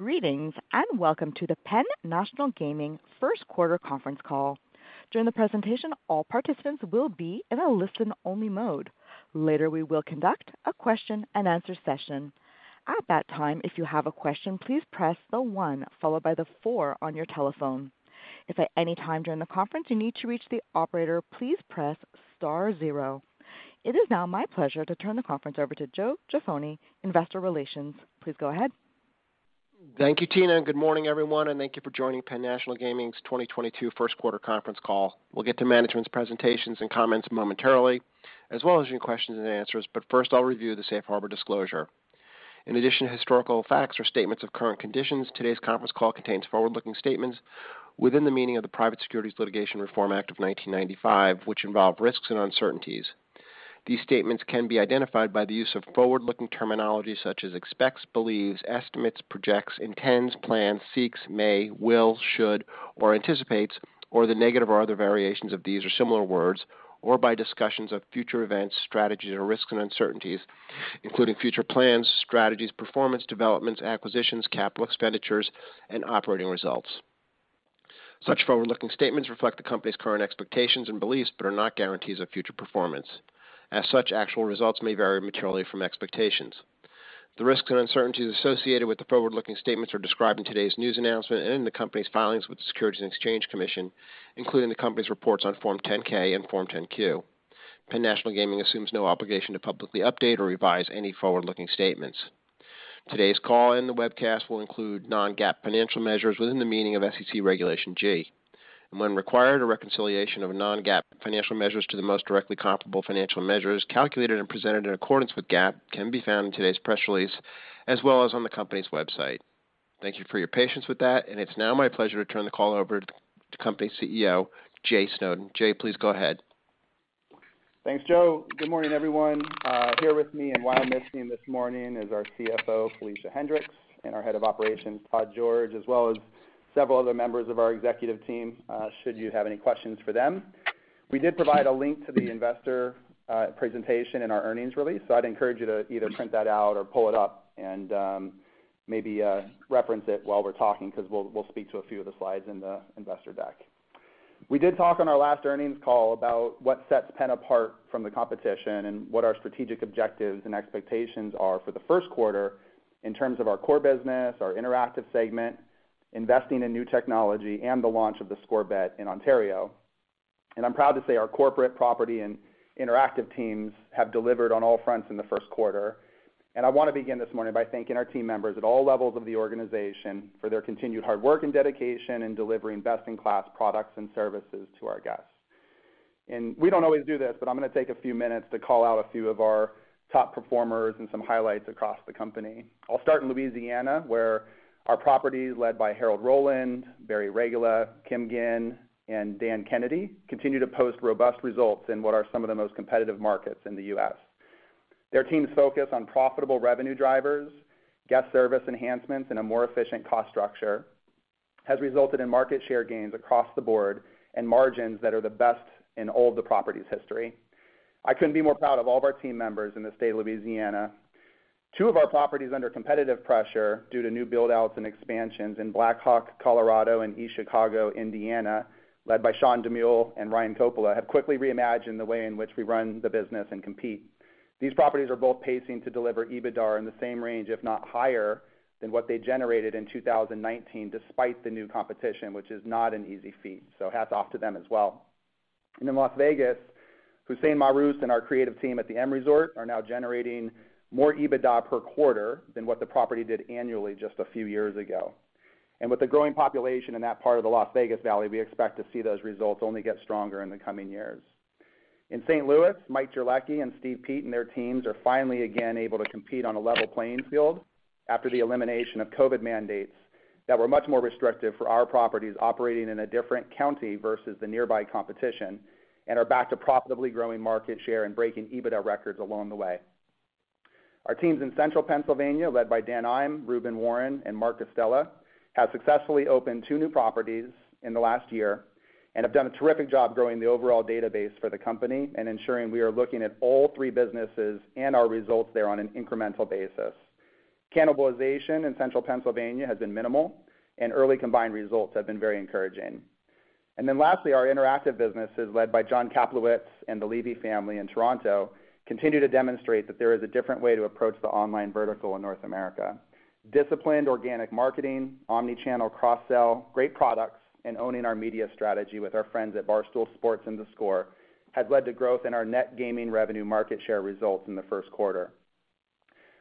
Greetings, and welcome to the Penn National Gaming First Quarter Conference Call. During the presentation, all participants will be in a listen-only mode. Later, we will conduct a question-and-answer session. At that time, if you have a question, please press the one followed by the four on your telephone. If at any time during the conference you need to reach the operator, please press star zero. It is now my pleasure to turn the conference over to Joseph N. Jaffoni, Investor Relations. Please go ahead. Thank you, Tina, and good morning, everyone, and thank you for joining Penn National Gaming's 2022 First Quarter Conference Call. We'll get to management's presentations and comments momentarily, as well as your questions and answers, but first, I'll review the safe harbor disclosure. In addition to historical facts or statements of current conditions, today's conference call contains forward-looking statements within the meaning of the Private Securities Litigation Reform Act of 1995, which involve risks and uncertainties. These statements can be identified by the use of forward-looking terminology such as expects, believes, estimates, projects, intends, plans, seeks, may, will, should, or anticipates, or the negative or other variations of these or similar words, or by discussions of future events, strategies, or risks and uncertainties, including future plans, strategies, performance, developments, acquisitions, capital expenditures, and operating results. Such forward-looking statements reflect the company's current expectations and beliefs, but are not guarantees of future performance. As such, actual results may vary materially from expectations. The risks and uncertainties associated with the forward-looking statements are described in today's news announcement and in the company's filings with the Securities and Exchange Commission, including the company's reports on Form 10-K and Form 10-Q. PENN Entertainment assumes no obligation to publicly update or revise any forward-looking statements. Today's call and the webcast will include non-GAAP financial measures within the meaning of SEC Regulation G. When required, a reconciliation of non-GAAP financial measures to the most directly comparable financial measures calculated and presented in accordance with GAAP can be found in today's press release, as well as on the company's website. Thank you for your patience with that, and it's now my pleasure to turn the call over to company CEO, Jay Snowden. Jay, please go ahead. Thanks, Joe. Good morning, everyone. Here with me this morning is our CFO, Felicia Hendrix, and our Head of Operations, Todd George, as well as several other members of our executive team, should you have any questions for them. We did provide a link to the investor presentation in our earnings release, so I'd encourage you to either print that out or pull it up and maybe reference it while we're talking because we'll speak to a few of the slides in the investor deck. We did talk on our last earnings call about what sets Penn apart from the competition and what our strategic objectives and expectations are for the first quarter in terms of our core business, our interactive segment, investing in new technology, and the launch of theScore Bet in Ontario. I'm proud to say our corporate property and interactive teams have delivered on all fronts in the first quarter. I want to begin this morning by thanking our team members at all levels of the organization for their continued hard work and dedication in delivering best-in-class products and services to our guests. We don't always do this, but I'm gonna take a few minutes to call out a few of our top performers and some highlights across the company. I'll start in Louisiana, where our properties, led by Harold Bevis, Barry Regula, Kim Ginn, and Dan Kennedy, continue to post robust results in what are some of the most competitive markets in the U.S. Their team's focus on profitable revenue drivers, guest service enhancements, and a more efficient cost structure has resulted in market share gains across the board and margins that are the best in all of the property's history. I couldn't be more proud of all of our team members in the state of Louisiana. Two of our properties under competitive pressure due to new build-outs and expansions in Black Hawk, Colorado, and East Chicago, Indiana, led by Sean Demeule and Ryan Coppola, have quickly reimagined the way in which we run the business and compete. These properties are both pacing to deliver EBITDAR in the same range, if not higher, than what they generated in 2019, despite the new competition, which is not an easy feat. Hats off to them as well. In Las Vegas, Hussain Mahrous and our creative team at the M Resort are now generating more EBITDA per quarter than what the property did annually just a few years ago. With the growing population in that part of the Las Vegas Valley, we expect to see those results only get stronger in the coming years. In St. Louis, Mike Jurecki and Steve Peet and their teams are finally again able to compete on a level playing field after the elimination of COVID mandates that were much more restrictive for our properties operating in a different county versus the nearby competition and are back to profitably growing market share and breaking EBITDA records along the way. Our teams in central Pennsylvania, led by Dan Im, Ruben Warren, and Marc Costello, have successfully opened two new properties in the last year and have done a terrific job growing the overall database for the company and ensuring we are looking at all three businesses and our results there on an incremental basis. Cannibalization in central Pennsylvania has been minimal, and early combined results have been very encouraging. Lastly, our interactive businesses, led by Jon Kaplowitz and the Levy family in Toronto, continue to demonstrate that there is a different way to approach the online vertical in North America. Disciplined organic marketing, omni-channel cross-sell, great products, and owning our media strategy with our friends at Barstool Sports and theScore has led to growth in our net gaming revenue market share results in the first quarter.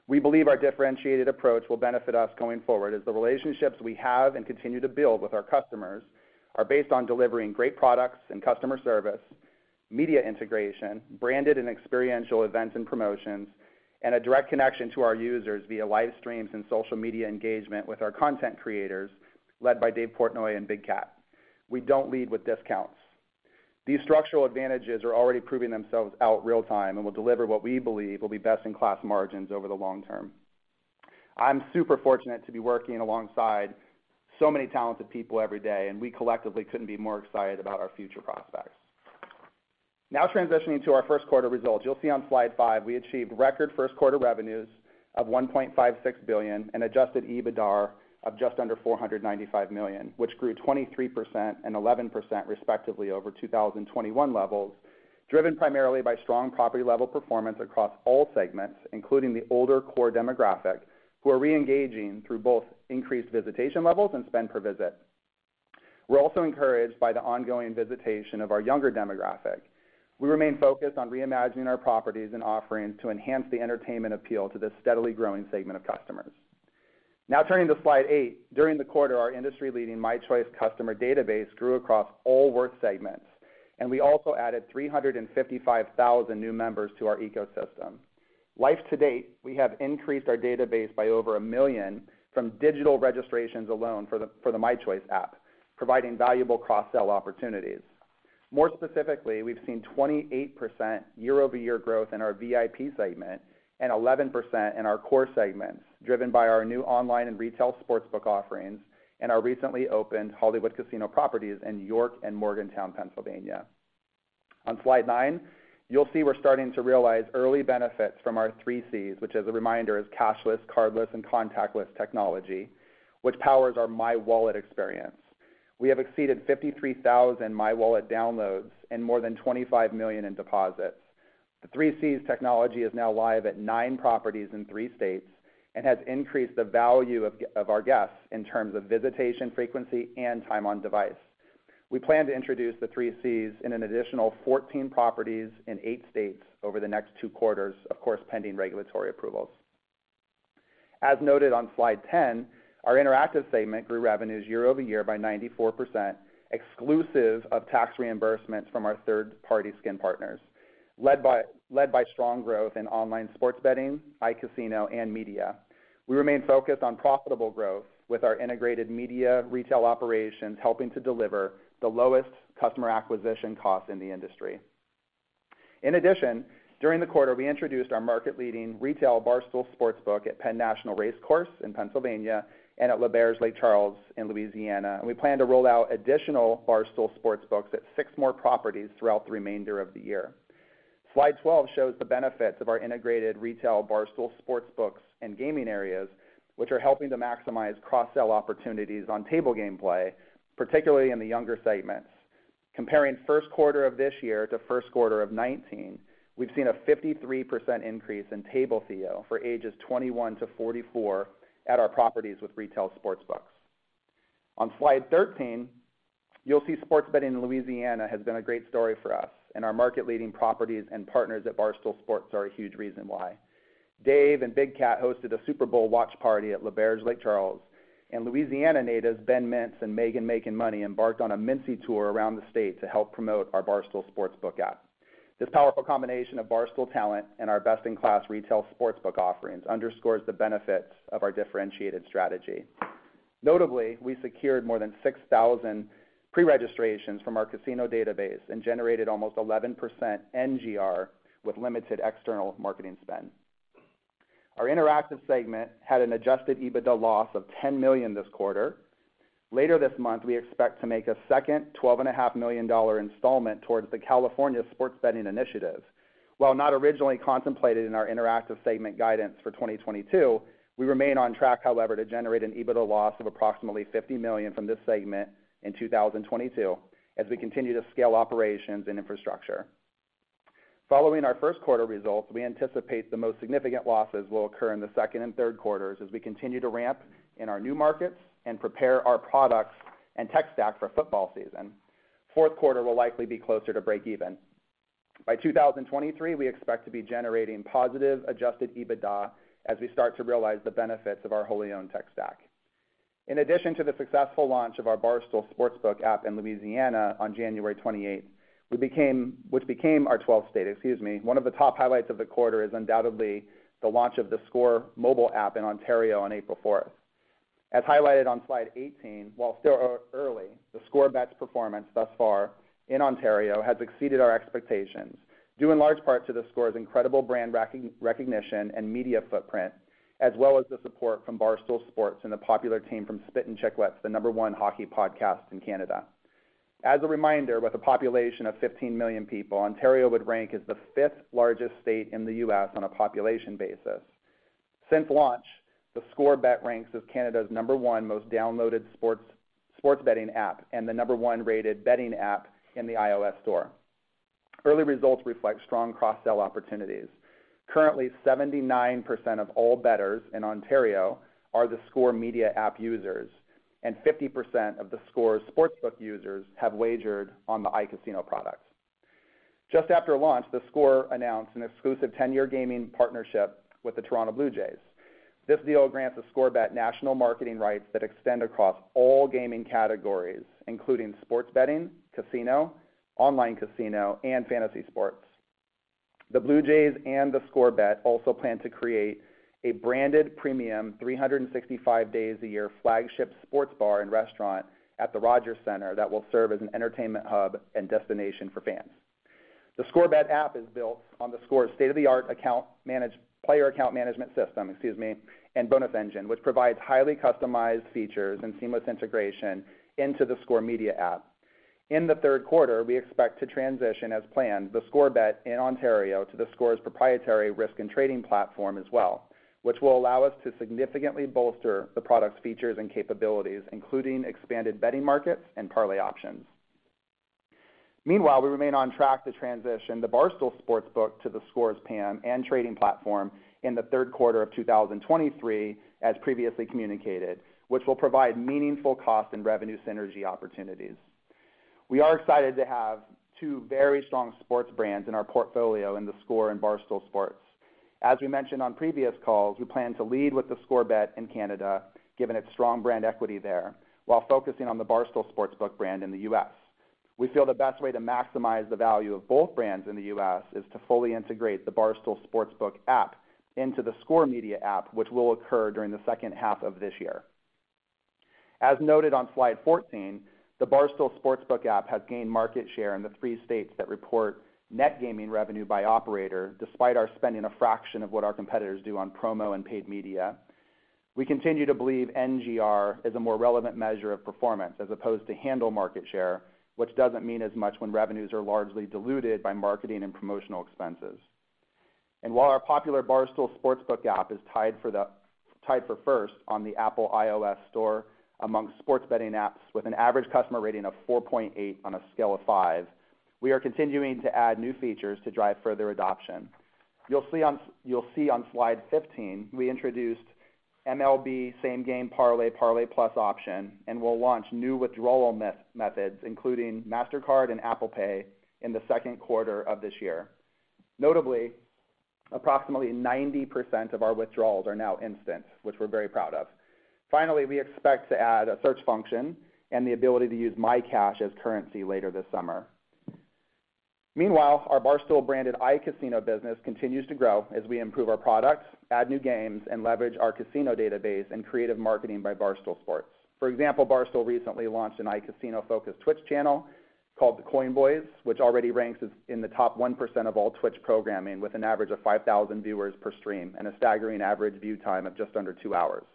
We believe our differentiated approach will benefit us going forward as the relationships we have and continue to build with our customers are based on delivering great products and customer service, media integration, branded and experiential events and promotions, and a direct connection to our users via live streams and social media engagement with our content creators, led by Dave Portnoy and Big Cat. We don't lead with discounts. These structural advantages are already proving themselves out real-time and will deliver what we believe will be best-in-class margins over the long term. I'm super fortunate to be working alongside so many talented people every day, and we collectively couldn't be more excited about our future prospects. Now transitioning to our first quarter results. You'll see on Slide five, we achieved record first quarter revenues of $1.56 billion and adjusted EBITDA of just under $495 million, which grew 23% and 11% respectively over 2021 levels, driven primarily by strong property-level performance across all segments, including the older core demographic, who are re-engaging through both increased visitation levels and spend per visit. We're also encouraged by the ongoing visitation of our younger demographic. We remain focused on reimagining our properties and offerings to enhance the entertainment appeal to this steadily growing segment of customers. Now turning to slide 8, during the quarter, our industry-leading myChoice customer database grew across all worth segments, and we also added 355,000 new members to our ecosystem. Life to date, we have increased our database by over 1 million from digital registrations alone for the mychoice app, providing valuable cross-sell opportunities. More specifically, we've seen 28% year-over-year growth in our VIP segment and 11% in our core segments, driven by our new online and retail sports book offerings and our recently opened Hollywood Casino properties in York and Morgantown, Pennsylvania. On Slide nine, you'll see we're starting to realize early benefits from our 3 C's, which as a reminder is cashless, cardless, and contactless technology, which powers our mywallet experience. We have exceeded 53,000 mywallet downloads and more than $25 million in deposits. The 3 C's technology is now live at nine properties in three states and has increased the value of our guests in terms of visitation frequency and time on device. We plan to introduce the 3 C's in an additional 14 properties in eight states over the next two quarters, of course, pending regulatory approvals. As noted on Slide 10, our interactive segment grew revenues year-over-year by 94%, exclusive of tax reimbursements from our third-party skin partners, led by strong growth in online sports betting, iCasino, and media. We remain focused on profitable growth with our integrated media retail operations helping to deliver the lowest customer acquisition costs in the industry. In addition, during the quarter, we introduced our market-leading retail Barstool Sportsbook at Penn National Race Course in Pennsylvania and at L'Auberge Casino Resort Lake Charles in Louisiana. We plan to roll out additional Barstool Sportsbooks at six more properties throughout the remainder of the year. Slide 12 shows the benefits of our integrated retail Barstool Sportsbooks and gaming areas, which are helping to maximize cross-sell opportunities on table game play, particularly in the younger segments. Comparing first quarter of this year to first quarter of 2019, we've seen a 53% increase in table fee for ages 21 to 44 at our properties with retail sportsbooks. On Slide 13, you'll see sports betting in Louisiana has been a great story for us, and our market-leading properties and partners at Barstool Sports are a huge reason why. Dave and Big Cat hosted a Super Bowl watch party at L'Auberge, Lake Charles. Louisiana natives Ben Mintz and Megan MakinMoney embarked on a Mintzy tour around the state to help promote our Barstool Sportsbook app. This powerful combination of Barstool talent and our best-in-class retail sportsbook offerings underscores the benefits of our differentiated strategy. Notably, we secured more than 6,000 preregistrations from our casino database and generated almost 11% NGR with limited external marketing spend. Our interactive segment had an adjusted EBITDA loss of $10 million this quarter. Later this month, we expect to make a second $12.5 million installment towards the California Sports Betting Initiative. While not originally contemplated in our interactive segment guidance for 2022, we remain on track, however, to generate an EBITDA loss of approximately $50 million from this segment in 2022 as we continue to scale operations and infrastructure. Following our first quarter results, we anticipate the most significant losses will occur in the second and third quarters as we continue to ramp in our new markets and prepare our products and tech stack for football season. Fourth quarter will likely be closer to break even. By 2023, we expect to be generating positive adjusted EBITDA as we start to realize the benefits of our wholly owned tech stack. In addition to the successful launch of our Barstool Sportsbook app in Louisiana on January 28, which became our 12th state, excuse me. One of the top highlights of the quarter is undoubtedly the launch of the theScore mobile app in Ontario on April 4. As highlighted on Slide 18, while still early, theScore Bet's performance thus far in Ontario has exceeded our expectations, due in large part to theScore's incredible brand recognition and media footprint, as well as the support from Barstool Sports and the popular team from Spittin' Chiclets, the number one hockey podcast in Canada. As a reminder, with a population of 15 million people, Ontario would rank as the 5th largest state in the U.S. on a population basis. Since launch, theScore Bet ranks as Canada's No. 1 most downloaded sports betting app and the No. 1-rated betting app in the iOS store. Early results reflect strong cross-sell opportunities. Currently, 79% of all bettors in Ontario are theScore media app users, and 50% of theScore's sportsbook users have wagered on the iCasino products. Just after launch, theScore announced an exclusive 10-year gaming partnership with the Toronto Blue Jays. This deal grants theScore Bet national marketing rights that extend across all gaming categories, including sports betting, casino, online casino, and fantasy sports. The Toronto Blue Jays and theScore Bet also plan to create a branded premium 365 days a year flagship sports bar and restaurant at the Rogers Centre that will serve as an entertainment hub and destination for fans. The theScore Bet app is built on theScore's state-of-the-art player account management system, excuse me, and bonus engine, which provides highly customized features and seamless integration into theScore media app. In the third quarter, we expect to transition as planned theScore Bet in Ontario to theScore's proprietary risk and trading platform as well, which will allow us to significantly bolster the product's features and capabilities, including expanded betting markets and parlay options. Meanwhile, we remain on track to transition the Barstool Sportsbook to theScore's PAM and trading platform in the third quarter of 2023, as previously communicated, which will provide meaningful cost and revenue synergy opportunities. We are excited to have two very strong sports brands in our portfolio in theScore and Barstool Sports. As we mentioned on previous calls, we plan to lead with theScore Bet in Canada, given its strong brand equity there, while focusing on the Barstool Sportsbook brand in the U.S. We feel the best way to maximize the value of both brands in the U.S. is to fully integrate the Barstool Sportsbook app into theScore media app, which will occur during the second half of this year. As noted on Slide 14, the Barstool Sportsbook app has gained market share in the three states that report net gaming revenue by operator, despite our spending a fraction of what our competitors do on promo and paid media. We continue to believe NGR is a more relevant measure of performance as opposed to handle market share, which doesn't mean as much when revenues are largely diluted by marketing and promotional expenses. While our popular Barstool Sportsbook app is tied for first on the Apple iOS store amongst sports betting apps with an average customer rating of 4.8 on a scale of 5, we are continuing to add new features to drive further adoption. You'll see on Slide 15, we introduced MLB same-game parlay plus option and will launch new withdrawal methods, including Mastercard and Apple Pay, in the second quarter of this year. Notably, approximately 90% of our withdrawals are now instant, which we're very proud of. Finally, we expect to add a search function and the ability to use my cash as currency later this summer. Meanwhile, our Barstool branded iCasino business continues to grow as we improve our products, add new games, and leverage our casino database and creative marketing by Barstool Sports. For example, Barstool recently launched an iCasino-focused Twitch channel called The Coin Boys, which already ranks in the top 1% of all Twitch programming, with an average of 5,000 viewers per stream and a staggering average view time of just under two hours.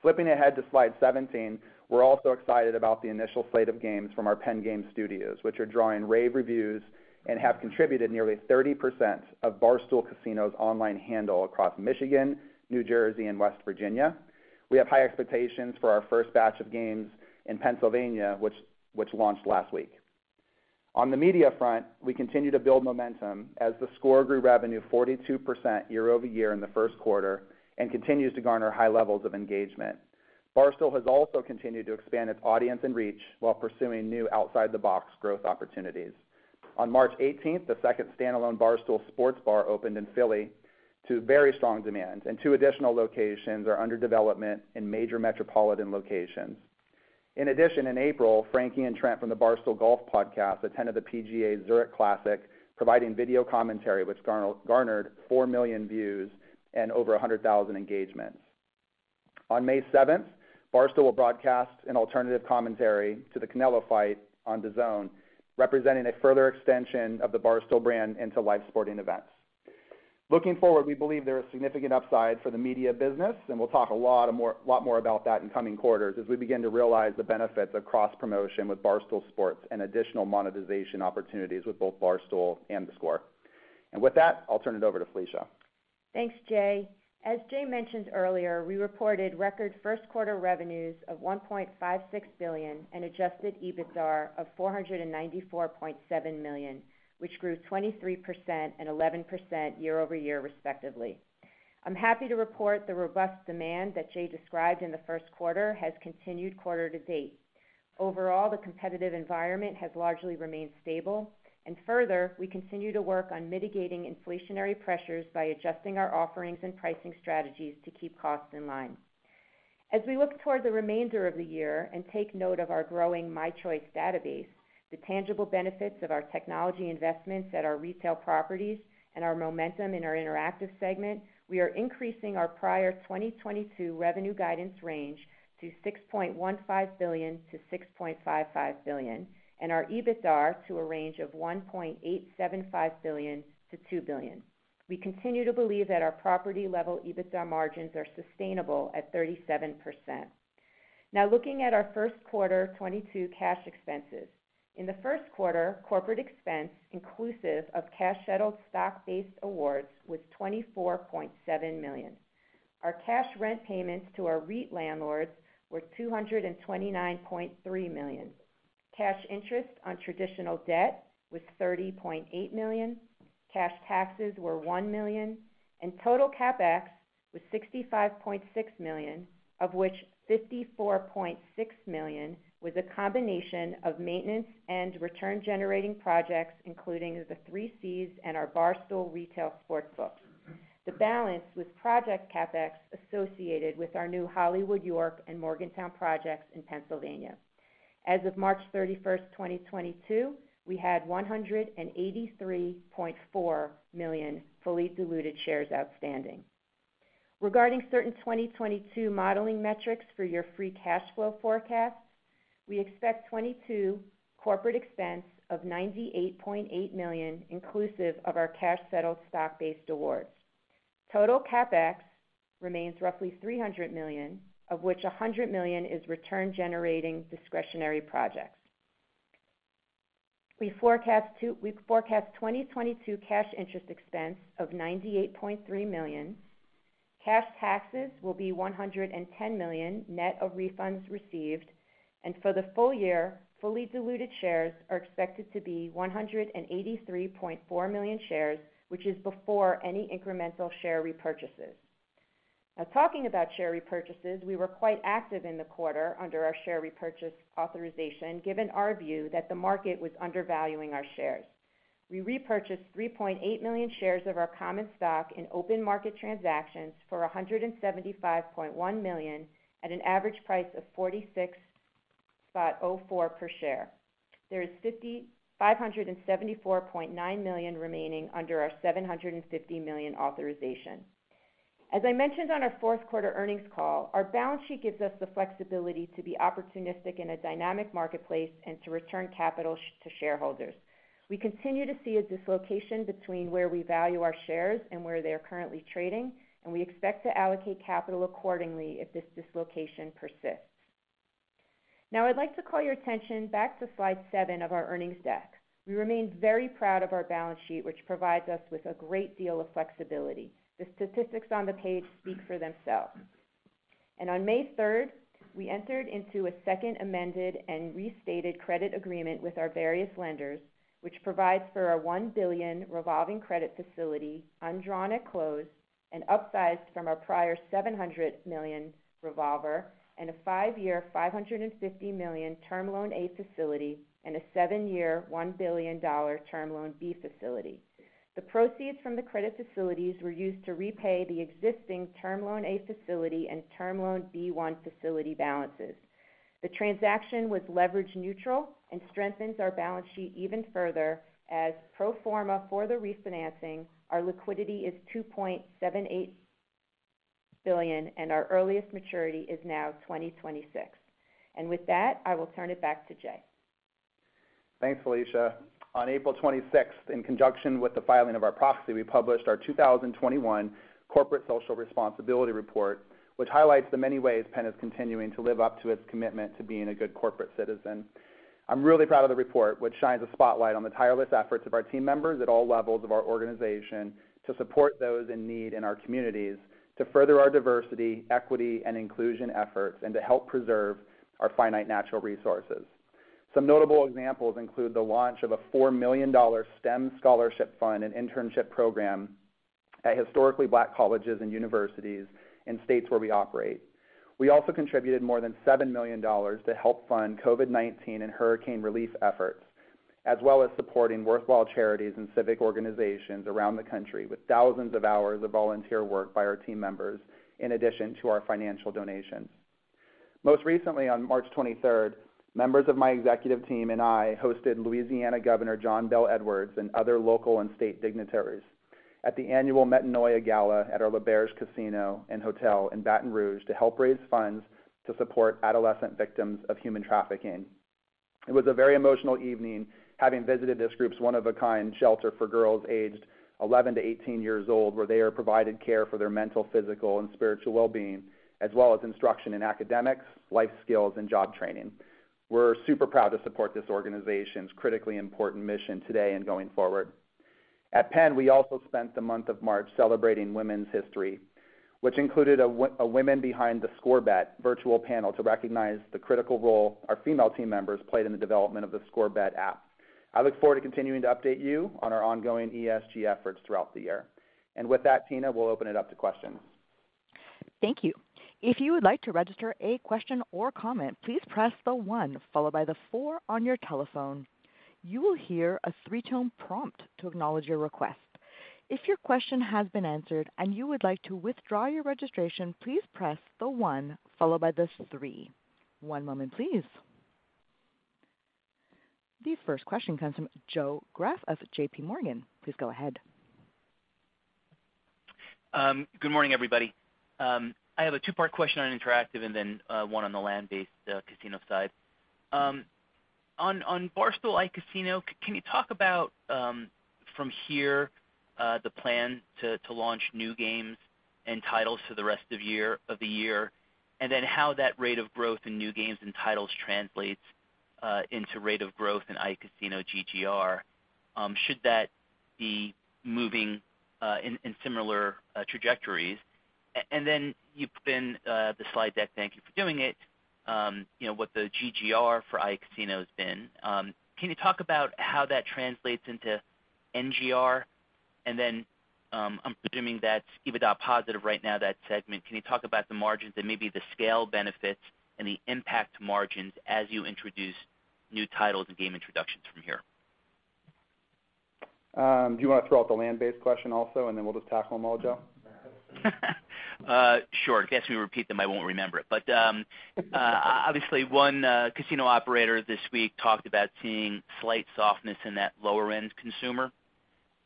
Flipping ahead to Slide 17, we're also excited about the initial slate of games from our Penn Game Studios, which are drawing rave reviews and have contributed nearly 30% of Barstool Casino's online handle across Michigan, New Jersey, and West Virginia. We have high expectations for our first batch of games in Pennsylvania, which launched last week. On the media front, we continue to build momentum as theScore grew revenue 42% year-over-year in the first quarter and continues to garner high levels of engagement. Barstool has also continued to expand its audience and reach while pursuing new outside-the-box growth opportunities. On March 18, the second standalone Barstool sports bar opened in Philly to very strong demand, and two additional locations are under development in major metropolitan locations. In addition, in April, Frankie and Trent from the Barstool Golf Podcast attended the Zurich Classic of New Orleans, providing video commentary which garnered 4 million views and over 100,000 engagements. On May 7, Barstool will broadcast an alternative commentary to the Canelo fight on DAZN, representing a further extension of the Barstool brand into live sporting events. Looking forward, we believe there is significant upside for the media business, and we'll talk a lot more about that in coming quarters as we begin to realize the benefits of cross-promotion with Barstool Sports and additional monetization opportunities with both Barstool and theScore. With that, I'll turn it over to Felicia. Thanks, Jay. As Jay mentioned earlier, we reported record first quarter revenues of $1.56 billion and adjusted EBITDA of $494.7 million, which grew 23% and 11% year-over-year, respectively. I'm happy to report the robust demand that Jay described in the first quarter has continued quarter to date. Overall, the competitive environment has largely remained stable, and further, we continue to work on mitigating inflationary pressures by adjusting our offerings and pricing strategies to keep costs in line. As we look toward the remainder of the year and take note of our growing mychoice database, the tangible benefits of our technology investments at our retail properties and our momentum in our interactive segment, we are increasing our prior 2022 revenue guidance range to $6.15 billion-$6.55 billion and our EBITDA to a range of $1.875 billion-$2 billion. We continue to believe that our property-level EBITDA margins are sustainable at 37%. Now looking at our first quarter 2022 cash expenses. In the first quarter, corporate expense inclusive of cash settled stock-based awards was $24.7 million. Our cash rent payments to our REIT landlords were $229.3 million. Cash interest on traditional debt was $30.8 million. Cash taxes were $1 million. Total CapEx was $65.6 million, of which $54.6 million was a combination of maintenance and return-generating projects, including the 3 C's and our Barstool Retail Sportsbook. The balance was project CapEx associated with our new Hollywood, York, and Morgantown projects in Pennsylvania. As of March 31, 2022, we had 183.4 million fully diluted shares outstanding. Regarding certain 2022 modeling metrics for your free cash flow forecast, we expect 2022 corporate expense of $98.8 million, inclusive of our cash settled stock-based awards. Total CapEx remains roughly $300 million, of which $100 million is return-generating discretionary projects. We forecast 2022 cash interest expense of $98.3 million. Cash taxes will be $110 million net of refunds received. For the full year, fully diluted shares are expected to be 183.4 million shares, which is before any incremental share repurchases. Now, talking about share repurchases, we were quite active in the quarter under our share repurchase authorization, given our view that the market was undervaluing our shares. We repurchased 3.8 million shares of our common stock in open market transactions for $175.1 million at an average price of $46.04 per share. There is $574.9 million remaining under our $750 million authorization. As I mentioned on our fourth quarter earnings call, our balance sheet gives us the flexibility to be opportunistic in a dynamic marketplace and to return capital to shareholders. We continue to see a dislocation between where we value our shares and where they are currently trading, and we expect to allocate capital accordingly if this dislocation persists. Now, I'd like to call your attention back to Slide seven of our earnings deck. We remain very proud of our balance sheet, which provides us with a great deal of flexibility. The statistics on the page speak for themselves. On May third, we entered into a second amended and restated credit agreement with our various lenders, which provides for a $1 billion revolving credit facility undrawn at close and upsized from our prior $700 million revolver and a five-year, $550 million term loan A facility and a seven-year, $1 billion term loan B facility. The proceeds from the credit facilities were used to repay the existing term loan A facility and term loan B1 facility balances. The transaction was leverage neutral and strengthens our balance sheet even further as pro forma for the refinancing, our liquidity is $2.78 billion, and our earliest maturity is now 2026. With that, I will turn it back to Jay Snowden. Thanks, Felicia. On April 26, in conjunction with the filing of our proxy, we published our 2021 corporate social responsibility report, which highlights the many ways Penn is continuing to live up to its commitment to being a good corporate citizen. I'm really proud of the report, which shines a spotlight on the tireless efforts of our team members at all levels of our organization to support those in need in our communities, to further our diversity, equity, and inclusion efforts, and to help preserve our finite natural resources. Some notable examples include the launch of a $4 million STEM scholarship fund and internship program at historically black colleges and universities in states where we operate. We also contributed more than $7 million to help fund COVID-19 and hurricane relief efforts, as well as supporting worthwhile charities and civic organizations around the country with thousands of hours of volunteer work by our team members in addition to our financial donations. Most recently, on March 23rd, members of my executive team and I hosted Louisiana Governor John Bel Edwards and other local and state dignitaries at the annual Metanoia Gala at our L'Auberge Casino & Hotel in Baton Rouge to help raise funds to support adolescent victims of human trafficking. It was a very emotional evening having visited this group's one-of-a-kind shelter for girls aged 11 to 18 years old, where they are provided care for their mental, physical, and spiritual well-being, as well as instruction in academics, life skills, and job training. We're super proud to support this organization's critically important mission today and going forward. At Penn, we also spent the month of March celebrating women's history, which included a Women Behind the Score Bet virtual panel to recognize the critical role our female team members played in the development of theScore Bet app. I look forward to continuing to update you on our ongoing ESG efforts throughout the year. With that, Tina, we'll open it up to questions. Thank you. If you would like to register a question or comment, please press the one followed by the four on your telephone. You will hear a three-tone prompt to acknowledge your request. If your question has been answered and you would like to withdraw your registration, please press the one followed by the three. One moment, please. The first question comes from Joe Greff of JPMorgan. Please go ahead. Good morning, everybody. I have a two-part question on interactive and then one on the land-based casino side. On Barstool iCasino, can you talk about from here the plan to launch new games and titles for the rest of the year, and then how that rate of growth in new games and titles translates into rate of growth in iCasino GGR? Should that be moving in similar trajectories? You've seen the slide deck, thank you for doing it, you know, what the GGR for iCasino has been. Can you talk about how that translates into NGR? I'm assuming that's EBITDA positive right now, that segment. Can you talk about the margins and maybe the scale benefits and the impact to margins as you introduce new titles and game introductions from here? Do you wanna throw out the land-based question also, and then we'll just tackle them all, Joe? Sure. In case we repeat them, I won't remember it. But obviously, one casino operator this week talked about seeing slight softness in that lower-end consumer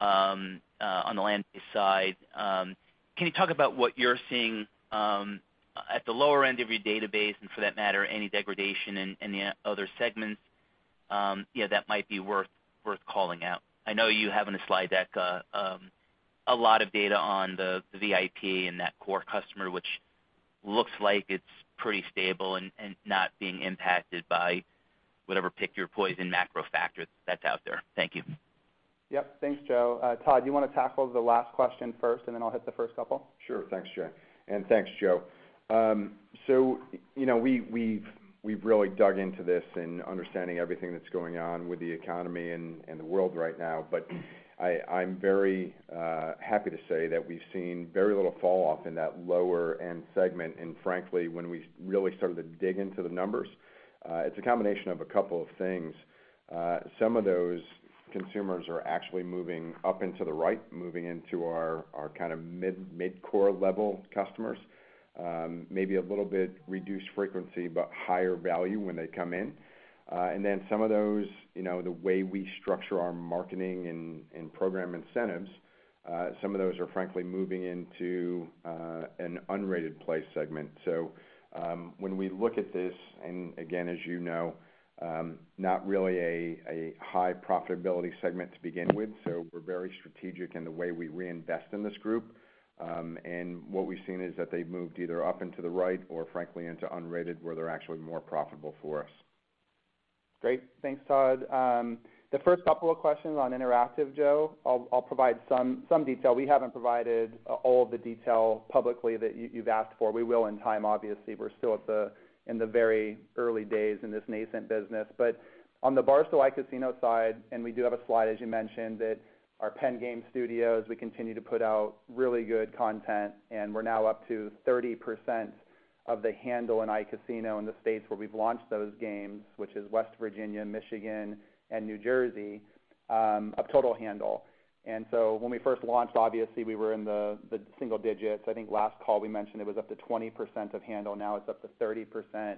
on the land-based side. Can you talk about what you're seeing at the lower end of your database, and for that matter, any degradation in the other segments? Yeah, that might be worth calling out. I know you have in a slide deck a lot of data on the VIP and that core customer, which looks like it's pretty stable and not being impacted by whatever pick your poison macro factor that's out there. Thank you. Yep. Thanks, Joe. Todd, you wanna tackle the last question first, and then I'll hit the first couple? Sure. Thanks, Jay. Thanks, Joe. You know, we've really dug into this in understanding everything that's going on with the economy and the world right now, but I'm very happy to say that we've seen very little falloff in that lower end segment. Frankly, when we really started to dig into the numbers, it's a combination of a couple of things. Some of those consumers are actually moving up into the right, moving into our kind of mid-core level customers. Maybe a little bit reduced frequency, but higher value when they come in. Then some of those, you know, the way we structure our marketing and program incentives, some of those are frankly moving into an unrated play segment. When we look at this, and again, as you know, not really a high profitability segment to begin with. We're very strategic in the way we reinvest in this group. What we've seen is that they've moved either up into the right or frankly into unrated, where they're actually more profitable for us. Great. Thanks, Todd. The first couple of questions on interactive, Joe, I'll provide some detail. We haven't provided all of the detail publicly that you've asked for. We will in time, obviously. We're still in the very early days in this nascent business. On the Barstool iCasino side, and we do have a slide, as you mentioned, that our Penn Game Studios, we continue to put out really good content, and we're now up to 30% of the handle in iCasino in the states where we've launched those games, which is West Virginia, Michigan, and New Jersey, of total handle. When we first launched, obviously, we were in the single digits. I think last call we mentioned it was up to 20% of handle. Now it's up to 30%.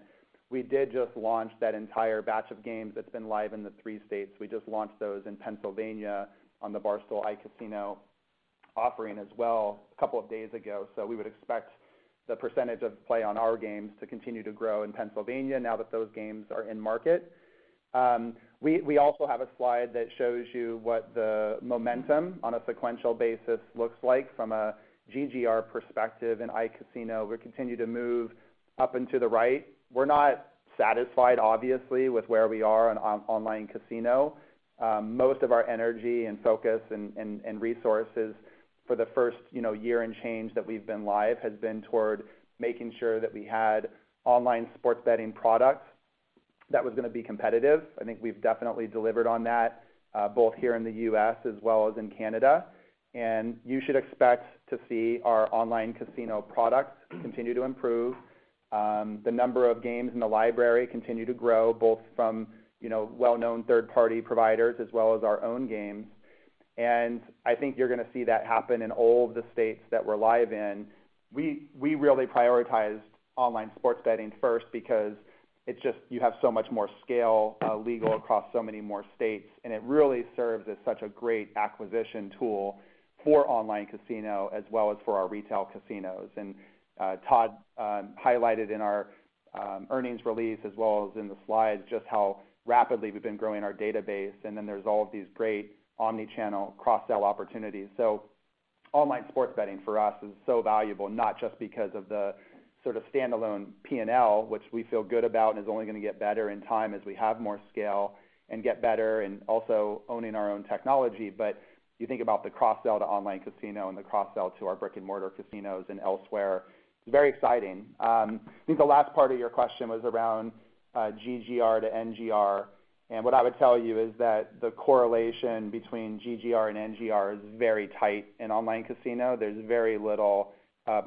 We did just launch that entire batch of games that's been live in the three states. We just launched those in Pennsylvania on the Barstool iCasino offering as well a couple of days ago. We would expect the percentage of play on our games to continue to grow in Pennsylvania now that those games are in market. We also have a slide that shows you what the momentum on a sequential basis looks like from a GGR perspective in iCasino. We continue to move up into the right. We're not satisfied, obviously, with where we are on online casino. Most of our energy and focus and resources for the first, you know, year and change that we've been live has been toward making sure that we had online sports betting products that was gonna be competitive. I think we've definitely delivered on that, both here in the U.S. as well as in Canada. You should expect to see our online casino products continue to improve. The number of games in the library continue to grow, both from, you know, well-known third-party providers as well as our own games. I think you're gonna see that happen in all of the states that we're live in. We really prioritized online sports betting first because it's just you have so much more scale, legal across so many more states, and it really serves as such a great acquisition tool for online casino, as well as for our retail casinos. Todd highlighted in our earnings release as well as in the slides just how rapidly we've been growing our database. Then there's all of these great omni-channel cross-sell opportunities. Online sports betting for us is so valuable, not just because of the sort of standalone P&L, which we feel good about and is only gonna get better in time as we have more scale and get better and also owning our own technology. You think about the cross-sell to online casino and the cross-sell to our brick-and-mortar casinos and elsewhere, it's very exciting. I think the last part of your question was around GGR to NGR. What I would tell you is that the correlation between GGR and NGR is very tight in online casino. There's very little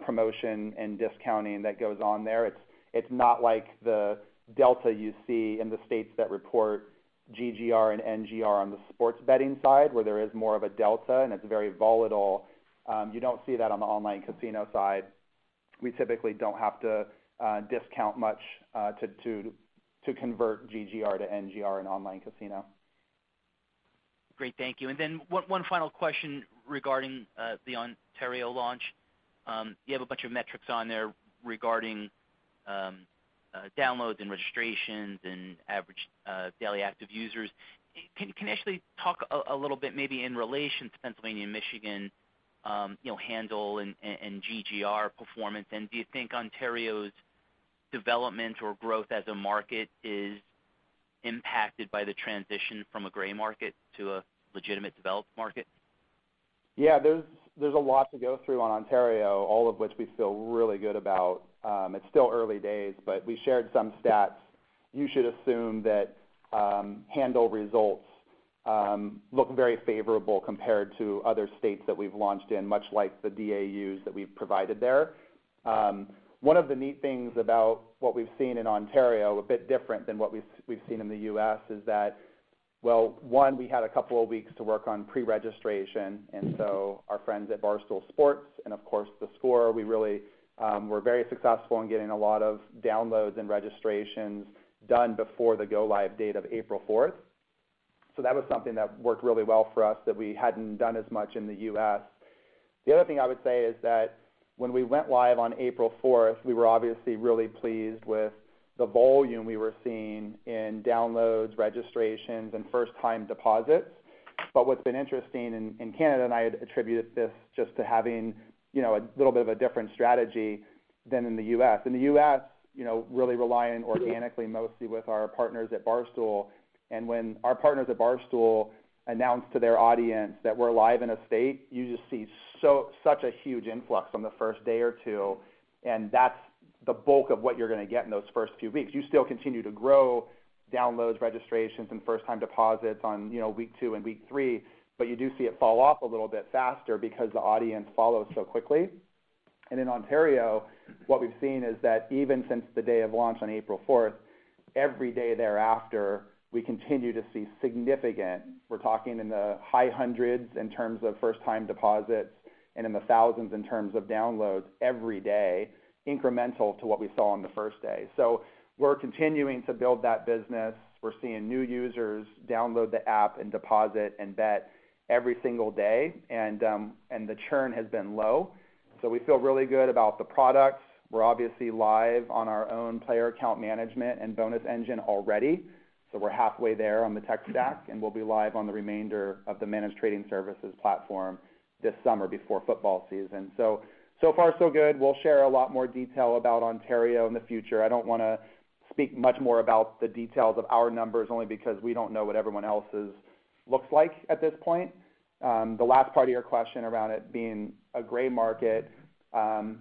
promotion and discounting that goes on there. It's not like the delta you see in the states that report GGR and NGR on the sports betting side, where there is more of a delta, and it's very volatile. You don't see that on the online casino side. We typically don't have to discount much to convert GGR to NGR in online casino. Great. Thank you. Then one final question regarding the Ontario launch. You have a bunch of metrics on there regarding downloads and registrations and average daily active users. Can you actually talk a little bit maybe in relation to Pennsylvania and Michigan, you know, handle and GGR performance? Do you think Ontario's development or growth as a market is impacted by the transition from a gray market to a legitimate developed market? Yeah, there's a lot to go through on Ontario, all of which we feel really good about. It's still early days, but we shared some stats. You should assume that handle results look very favorable compared to other states that we've launched in, much like the DAU that we've provided there. One of the neat things about what we've seen in Ontario, a bit different than what we've seen in the U.S., is that one, we had a couple of weeks to work on pre-registration. Our friends at Barstool Sports and of course theScore were very successful in getting a lot of downloads and registrations done before the go-live date of April fourth. That was something that worked really well for us that we hadn't done as much in the U.S. The other thing I would say is that when we went live on April fourth, we were obviously really pleased with the volume we were seeing in downloads, registrations, and first-time deposits. What's been interesting in Canada, and I had attributed this just to having, you know, a little bit of a different strategy than in the U.S. In the U.S., you know, really relying organically, mostly with our partners at Barstool. When our partners at Barstool announced to their audience that we're live in a state, you just see such a huge influx on the first day or two, and that's the bulk of what you're gonna get in those first few weeks. You still continue to grow downloads, registrations, and first-time deposits on, you know, week 2 and week 3, but you do see it fall off a little bit faster because the audience follows so quickly. In Ontario, what we've seen is that even since the day of launch on April 4, every day thereafter, we continue to see significant, we're talking in the high hundreds in terms of first time deposits and in the thousands in terms of downloads every day, incremental to what we saw on the first day. We're continuing to build that business. We're seeing new users download the app and deposit and bet every single day. The churn has been low. We feel really good about the products. We're obviously live on our own player account management and bonus engine already. We're halfway there on the tech stack, and we'll be live on the remainder of the managed trading services platform this summer before football season. So far so good. We'll share a lot more detail about Ontario in the future. I don't wanna speak much more about the details of our numbers only because we don't know what everyone else's looks like at this point. The last part of your question around it being a gray market,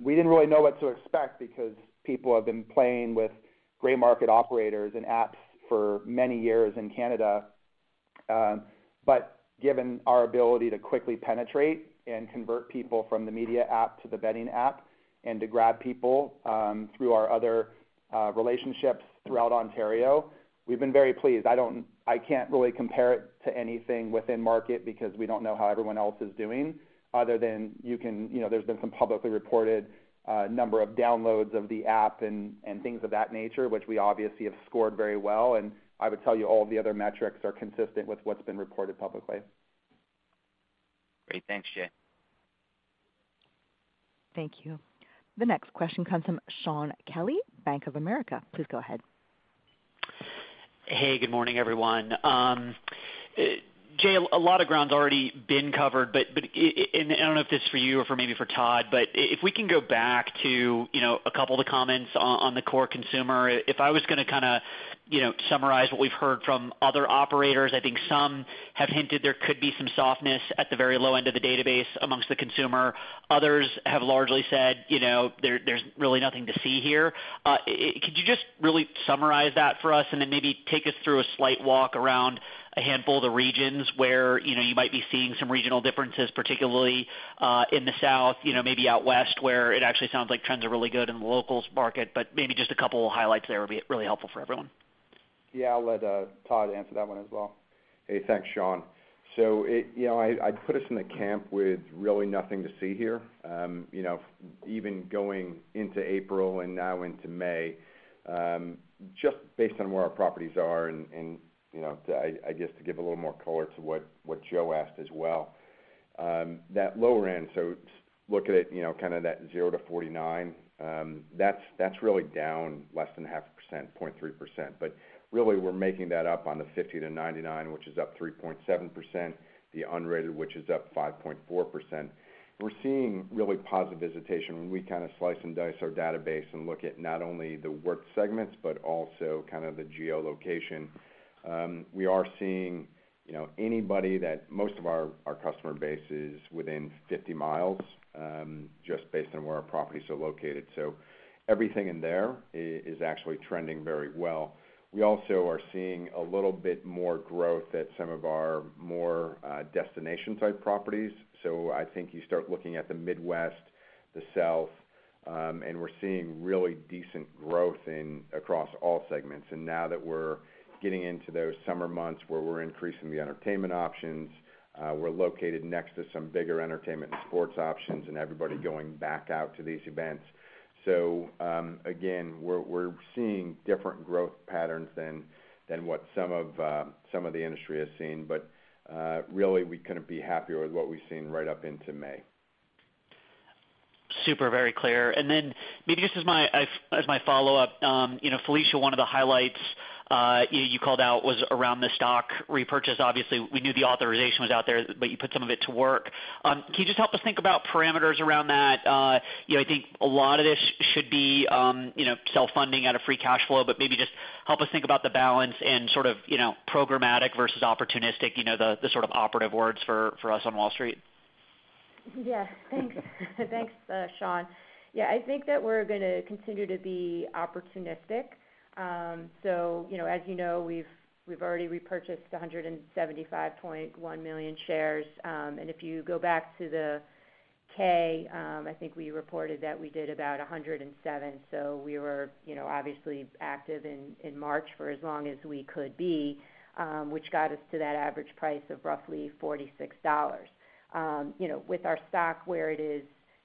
we didn't really know what to expect because people have been playing with gray market operators and apps for many years in Canada. Given our ability to quickly penetrate and convert people from the media app to the betting app and to grab people through our other relationships throughout Ontario, we've been very pleased. I can't really compare it to anything within market because we don't know how everyone else is doing other than you know, there's been some publicly reported number of downloads of the app and things of that nature, which we obviously have scored very well. I would tell you all of the other metrics are consistent with what's been reported publicly. Great. Thanks, Jay. Thank you. The next question comes from Shaun Kelley, Bank of America. Please go ahead. Hey, good morning, everyone. Jay, a lot of ground's already been covered. I don't know if this is for you or maybe for Todd, but if we can go back to, you know, a couple of the comments on the core consumer. If I was gonna kinda, you know, summarize what we've heard from other operators, I think some have hinted there could be some softness at the very low end of the database amongst the consumer. Others have largely said, you know, there's really nothing to see here. Could you just really summarize that for us and then maybe take us through a slight walk around a handful of the regions where, you know, you might be seeing some regional differences, particularly in the South, you know, maybe out West, where it actually sounds like trends are really good in the locals market, but maybe just a couple of highlights there would be really helpful for everyone? Yeah. I'll let Todd answer that one as well. Hey, thanks, Sean. You know, I put us in the camp with really nothing to see here. You know, even going into April and now into May, just based on where our properties are and you know, I guess, to give a little more color to what Joe asked as well, that lower end, so look at it, you know, kinda that 0-49, that's really down less than 0.5%, 0.3%. Really we're making that up on the 50-99, which is up 3.7%, the unrated, which is up 5.4%. We're seeing really positive visitation when we kinda slice and dice our database and look at not only the worth segments, but also kind of the geolocation. We are seeing, you know, anyway that most of our customer base is within 50 miles, just based on where our properties are located. Everything in there is actually trending very well. We also are seeing a little bit more growth at some of our more destination-type properties. I think you start looking at the Midwest, the South, and we're seeing really decent growth across all segments. Now that we're getting into those summer months where we're increasing the entertainment options, we're located next to some bigger entertainment and sports options and everybody going back out to these events. Again, we're seeing different growth patterns than what some of the industry has seen. Really, we couldn't be happier with what we've seen right up into May. Super. Very clear. Maybe just as my follow-up, you know, Felicia, one of the highlights you called out was around the stock repurchase. Obviously, we knew the authorization was out there, but you put some of it to work. Can you just help us think about parameters around that? You know, I think a lot of this should be you know, self-funding out of Free Cash Flow, but maybe just help us think about the balance and sort of, you know, programmatic versus opportunistic, you know, the sort of operative words for us on Wall Street. Yeah. Thanks, Sean. Yeah. I think that we're gonna continue to be opportunistic. So, you know, as you know, we've already repurchased 175.1 million shares. And if you go back to the K, I think we reported that we did about 107. So we were, you know, obviously active in March for as long as we could be, which got us to that average price of roughly $46. You know, with our stock where it is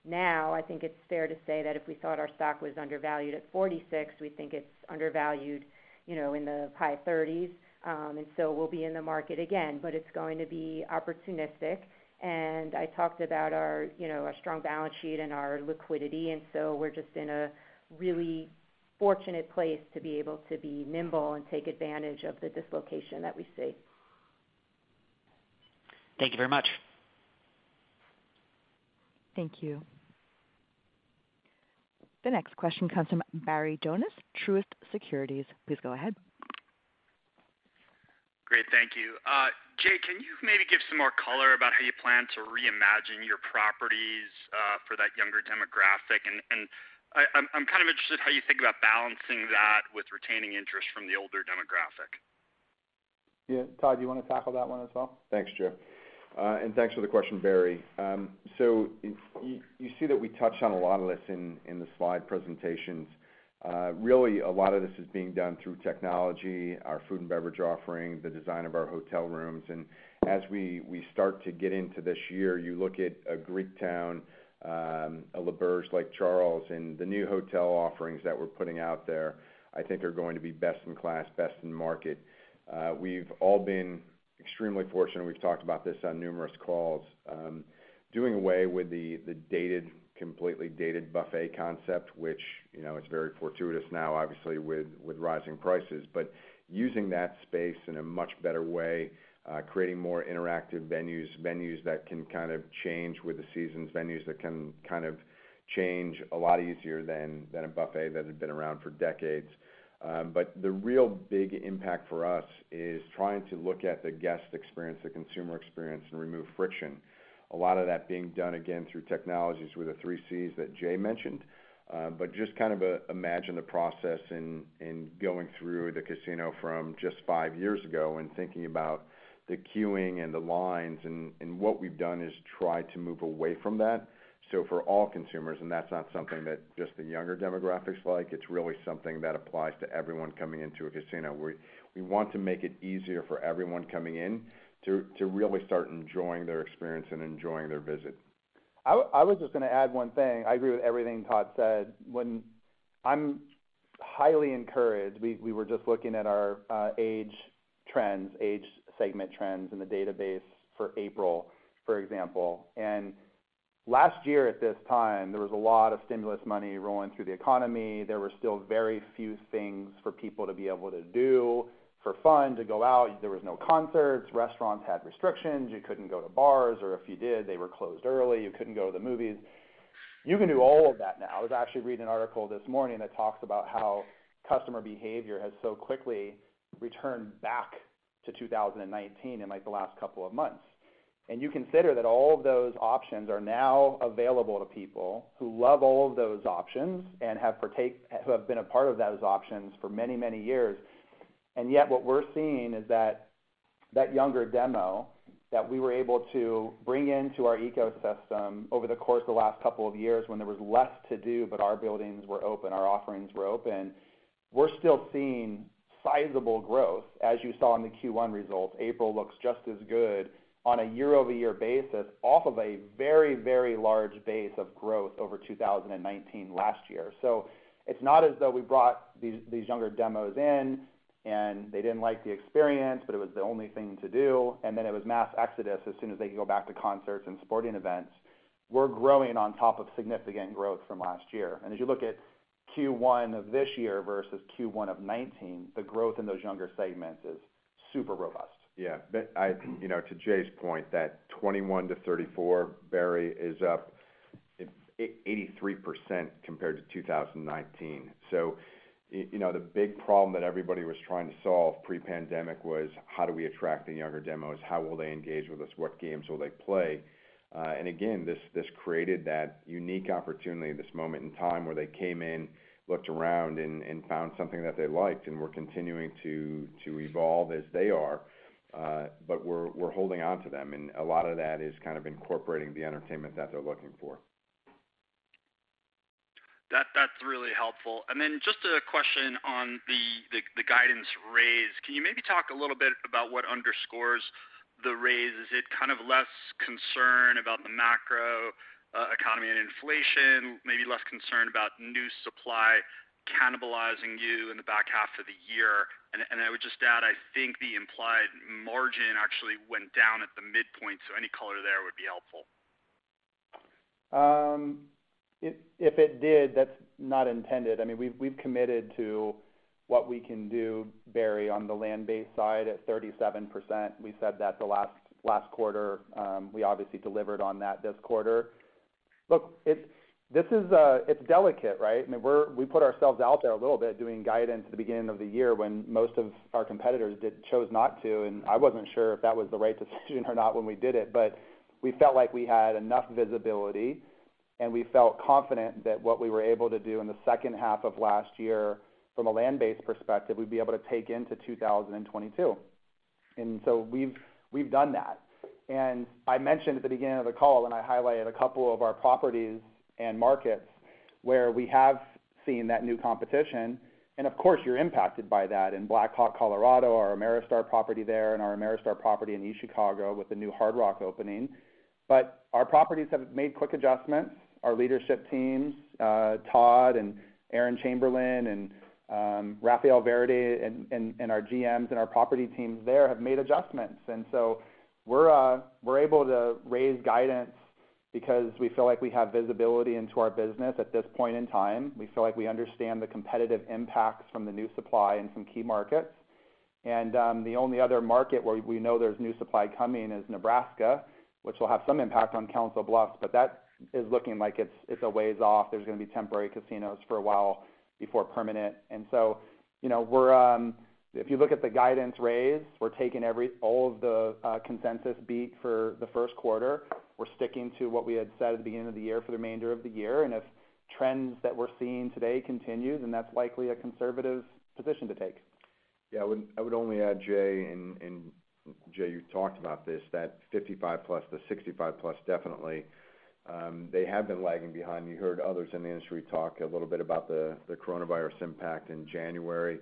now, I think it's fair to say that if we thought our stock was undervalued at $46, we think it's undervalued, you know, in the high 30s. And so we'll be in the market again, but it's going to be opportunistic. I talked about our, you know, our strong balance sheet and our liquidity. We're just in a really fortunate place to be able to be nimble and take advantage of the dislocation that we see. Thank you very much. Thank you. The next question comes from Barry Jonas, Truist Securities. Please go ahead. Great. Thank you. Jay, can you maybe give some more color about how you plan to reimagine your properties for that younger demographic? I'm kind of interested how you think about balancing that with retaining interest from the older demographic. Yeah. Todd, do you wanna tackle that one as well? Thanks, Joe. And thanks for the question, Barry. So you see that we touched on a lot of this in the slide presentations. Really a lot of this is being done through technology, our food and beverage offering, the design of our hotel rooms. As we start to get into this year, you look at Greektown, a L'Auberge Lake Charles, and the new hotel offerings that we're putting out there, I think are going to be best in class, best in market. We've all been extremely fortunate, and we've talked about this on numerous calls, doing away with the dated, completely dated buffet concept, which you know is very fortuitous now, obviously with rising prices. Using that space in a much better way, creating more interactive venues that can kind of change with the seasons, venues that can kind of change a lot easier than a buffet that had been around for decades. The real big impact for us is trying to look at the guest experience, the consumer experience, and remove friction. A lot of that being done again through technologies with the 3 C's that Jay mentioned. Just kind of imagine the process in going through the casino from just five years ago and thinking about the queuing and the lines and what we've done is try to move away from that. For all consumers, and that's not something that just the younger demographics like. It's really something that applies to everyone coming into a casino. We want to make it easier for everyone coming in to really start enjoying their experience and enjoying their visit. I was just gonna add one thing. I agree with everything Todd said. I'm highly encouraged. We were just looking at our age trends, age segment trends in the database for April, for example. Last year at this time, there was a lot of stimulus money rolling through the economy. There were still very few things for people to be able to do for fun, to go out. There was no concerts. Restaurants had restrictions. You couldn't go to bars, or if you did, they were closed early. You couldn't go to the movies. You can do all of that now. I was actually reading an article this morning that talks about how customer behavior has so quickly returned back to 2019 in, like, the last couple of months. You consider that all of those options are now available to people who love all of those options and have been a part of those options for many, many years. Yet, what we're seeing is that that younger demo that we were able to bring into our ecosystem over the course of the last couple of years when there was less to do, but our buildings were open, our offerings were open, we're still seeing sizable growth. As you saw in the Q1 results, April looks just as good on a year-over-year basis off of a very, very large base of growth over 2019 last year. It's not as though we brought these younger demos in and they didn't like the experience, but it was the only thing to do, and then it was mass exodus as soon as they could go back to concerts and sporting events. We're growing on top of significant growth from last year. As you look at Q1 of this year versus Q1 of 2019, the growth in those younger segments is super robust. Yeah. I, you know, to Jay's point, that 21-34, Barry, is up 883% compared to 2019. You know, the big problem that everybody was trying to solve pre-pandemic was, how do we attract the younger demos? How will they engage with us? What games will they play? Again, this created that unique opportunity, this moment in time where they came in, looked around and found something that they liked and we're continuing to evolve as they are. We're holding onto them, and a lot of that is kind of incorporating the entertainment that they're looking for. That, that's really helpful. Then just a question on the guidance raise. Can you maybe talk a little bit about what underscores the raise? Is it kind of less concern about the macro economy and inflation, maybe less concern about new supply cannibalizing you in the back half of the year? I would just add, I think the implied margin actually went down at the midpoint, so any color there would be helpful. If it did, that's not intended. I mean, we've committed to what we can do, Barry, on the land-based side at 37%. We said that the last quarter. We obviously delivered on that this quarter. Look, this is delicate, right? I mean, we put ourselves out there a little bit doing guidance at the beginning of the year when most of our competitors did choose not to, and I wasn't sure if that was the right decision or not when we did it. We felt like we had enough visibility, and we felt confident that what we were able to do in the second half of last year from a land-based perspective, we'd be able to take into 2022. We've done that. I mentioned at the beginning of the call, and I highlighted a couple of our properties and markets where we have seen that new competition, and of course, you're impacted by that in Black Hawk, Colorado, our Ameristar property there and our Ameristar property in East Chicago with the new Hard Rock opening. Our properties have made quick adjustments. Our leadership teams, Todd and Erin Chamberlin and Rafael Verde and our GMs and our property teams there have made adjustments. We're able to raise guidance because we feel like we have visibility into our business at this point in time. We feel like we understand the competitive impacts from the new supply in some key markets. The only other market where we know there's new supply coming is Nebraska, which will have some impact on Council Bluffs, but that is looking like it's a ways off. There's gonna be temporary casinos for a while before permanent. You know, if you look at the guidance raise, we're taking all of the consensus beat for the first quarter. We're sticking to what we had said at the beginning of the year for the remainder of the year. If trends that we're seeing today continues, then that's likely a conservative position to take. Yeah, I would only add, Jay, you talked about this, that 55+ to 65+, definitely, they have been lagging behind. You heard others in the industry talk a little bit about the coronavirus impact in January.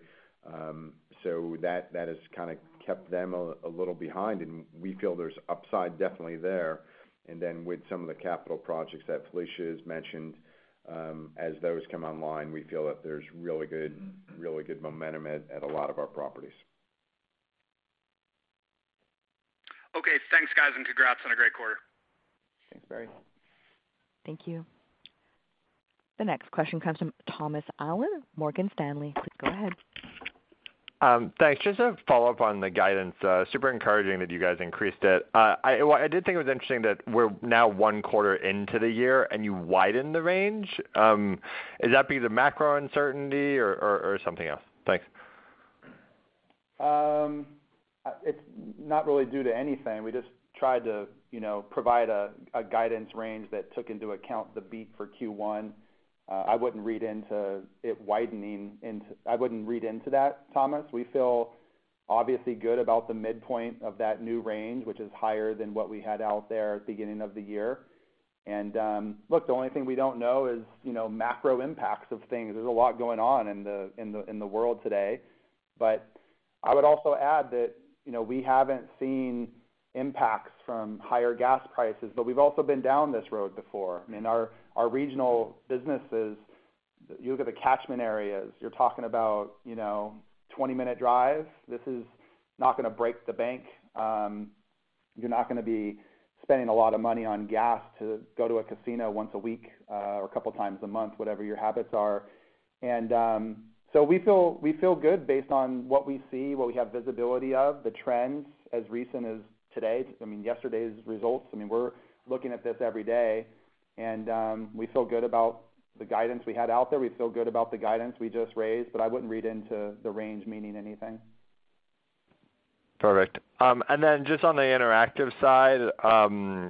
That has kept them a little behind, and we feel there's upside definitely there. Then with some of the capital projects that Felicia has mentioned, as those come online, we feel that there's really good momentum at a lot of our properties. Okay. Thanks, guys, and congrats on a great quarter. Thanks, Barry. Thank you. The next question comes from Thomas Allen, Morgan Stanley. Please go ahead. Thanks. Just a follow-up on the guidance. Super encouraging that you guys increased it. I did think it was interesting that we're now one quarter into the year and you widened the range. Is that because of macro uncertainty or something else? Thanks. It's not really due to anything. We just tried to, you know, provide a guidance range that took into account the beat for Q1. I wouldn't read into that, Thomas. We feel obviously good about the midpoint of that new range, which is higher than what we had out there at the beginning of the year. Look, the only thing we don't know is, you know, macro impacts of things. There's a lot going on in the world today. I would also add that, you know, we haven't seen impacts from higher gas prices, but we've also been down this road before. I mean, our regional businesses, you look at the catchment areas, you're talking about, you know, a 20-minute drive. This is not gonna break the bank. You're not gonna be spending a lot of money on gas to go to a casino once a week, or a couple of times a month, whatever your habits are. So we feel good based on what we see, what we have visibility of, the trends as recent as today, I mean, yesterday's results. I mean, we're looking at this every day and, we feel good about the guidance we had out there. We feel good about the guidance we just raised, but I wouldn't read into the range meaning anything. Perfect. Then just on the interactive side,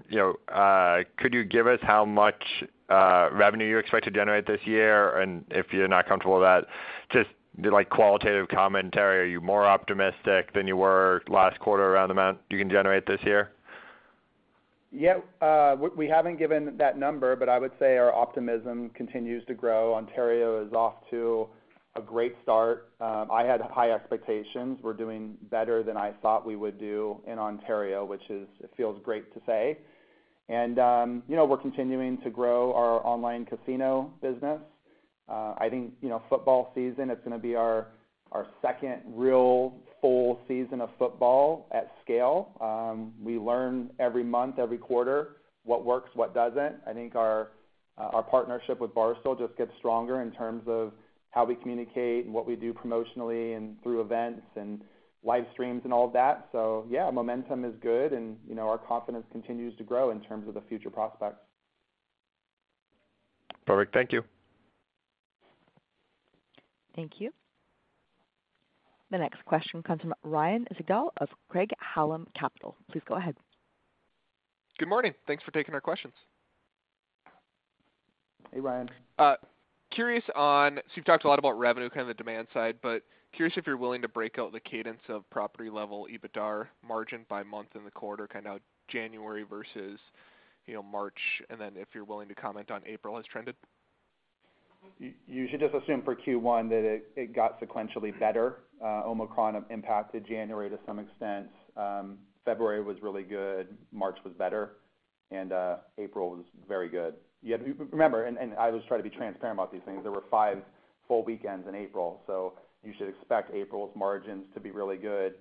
you know, could you give us how much revenue you expect to generate this year? If you're not comfortable with that, just like qualitative commentary, are you more optimistic than you were last quarter around the amount you can generate this year? Yeah. We haven't given that number, but I would say our optimism continues to grow. Ontario is off to a great start. I had high expectations. We're doing better than I thought we would do in Ontario, which is, it feels great to say. You know, we're continuing to grow our online casino business. I think, you know, football season, it's gonna be our second real full season of football at scale. We learn every month, every quarter what works, what doesn't. I think our partnership with Barstool just gets stronger in terms of how we communicate and what we do promotionally and through events and live streams and all that. Yeah, momentum is good and, you know, our confidence continues to grow in terms of the future prospects. Perfect. Thank you. Thank you. The next question comes from Ryan Sigdahl of Craig-Hallum Capital. Please go ahead. Hey, Ryan. You've talked a lot about revenue, kind of the demand side, but curious if you're willing to break out the cadence of property-level EBITDAR margin by month in the quarter, kind of January versus, you know, March, and then if you're willing to comment on April has trended? You should just assume for Q1 that it got sequentially better. Omicron impacted January to some extent. February was really good, March was better, and April was very good. You have to remember, and I always try to be transparent about these things, there were five full weekends in April, so you should expect April's margins to be really good.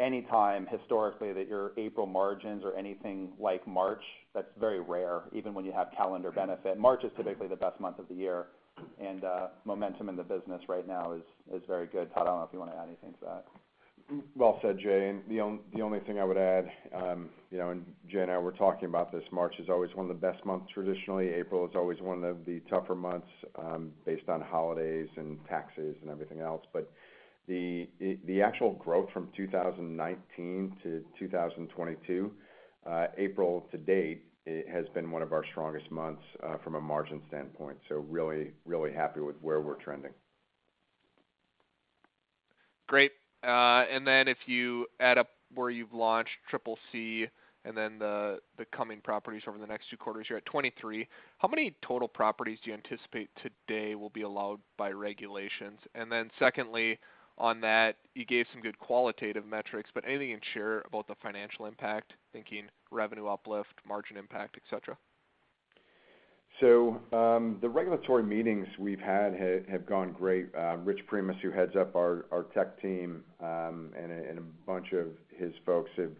Any time historically that your April margins are anything like March, that's very rare, even when you have calendar benefit. March is typically the best month of the year, and momentum in the business right now is very good. Todd, I don't know if you wanna add anything to that. Well said, Jay. The only thing I would add, you know, Jay and I were talking about this. March is always one of the best months traditionally. April is always one of the tougher months, based on holidays and taxes and everything else. The actual growth from 2019 to 2022, April to date, it has been one of our strongest months from a margin standpoint. Really happy with where we're trending. Great. If you add up where you've launched 3 C's and then the coming properties over the next two quarters, you're at 23. How many total properties do you anticipate today will be allowed by regulations? Secondly, on that, you gave some good qualitative metrics, but anything you can share about the financial impact, thinking revenue uplift, margin impact, et cetera? The regulatory meetings we've had have gone great. Richard Primus, who heads up our tech team, and a bunch of his folks have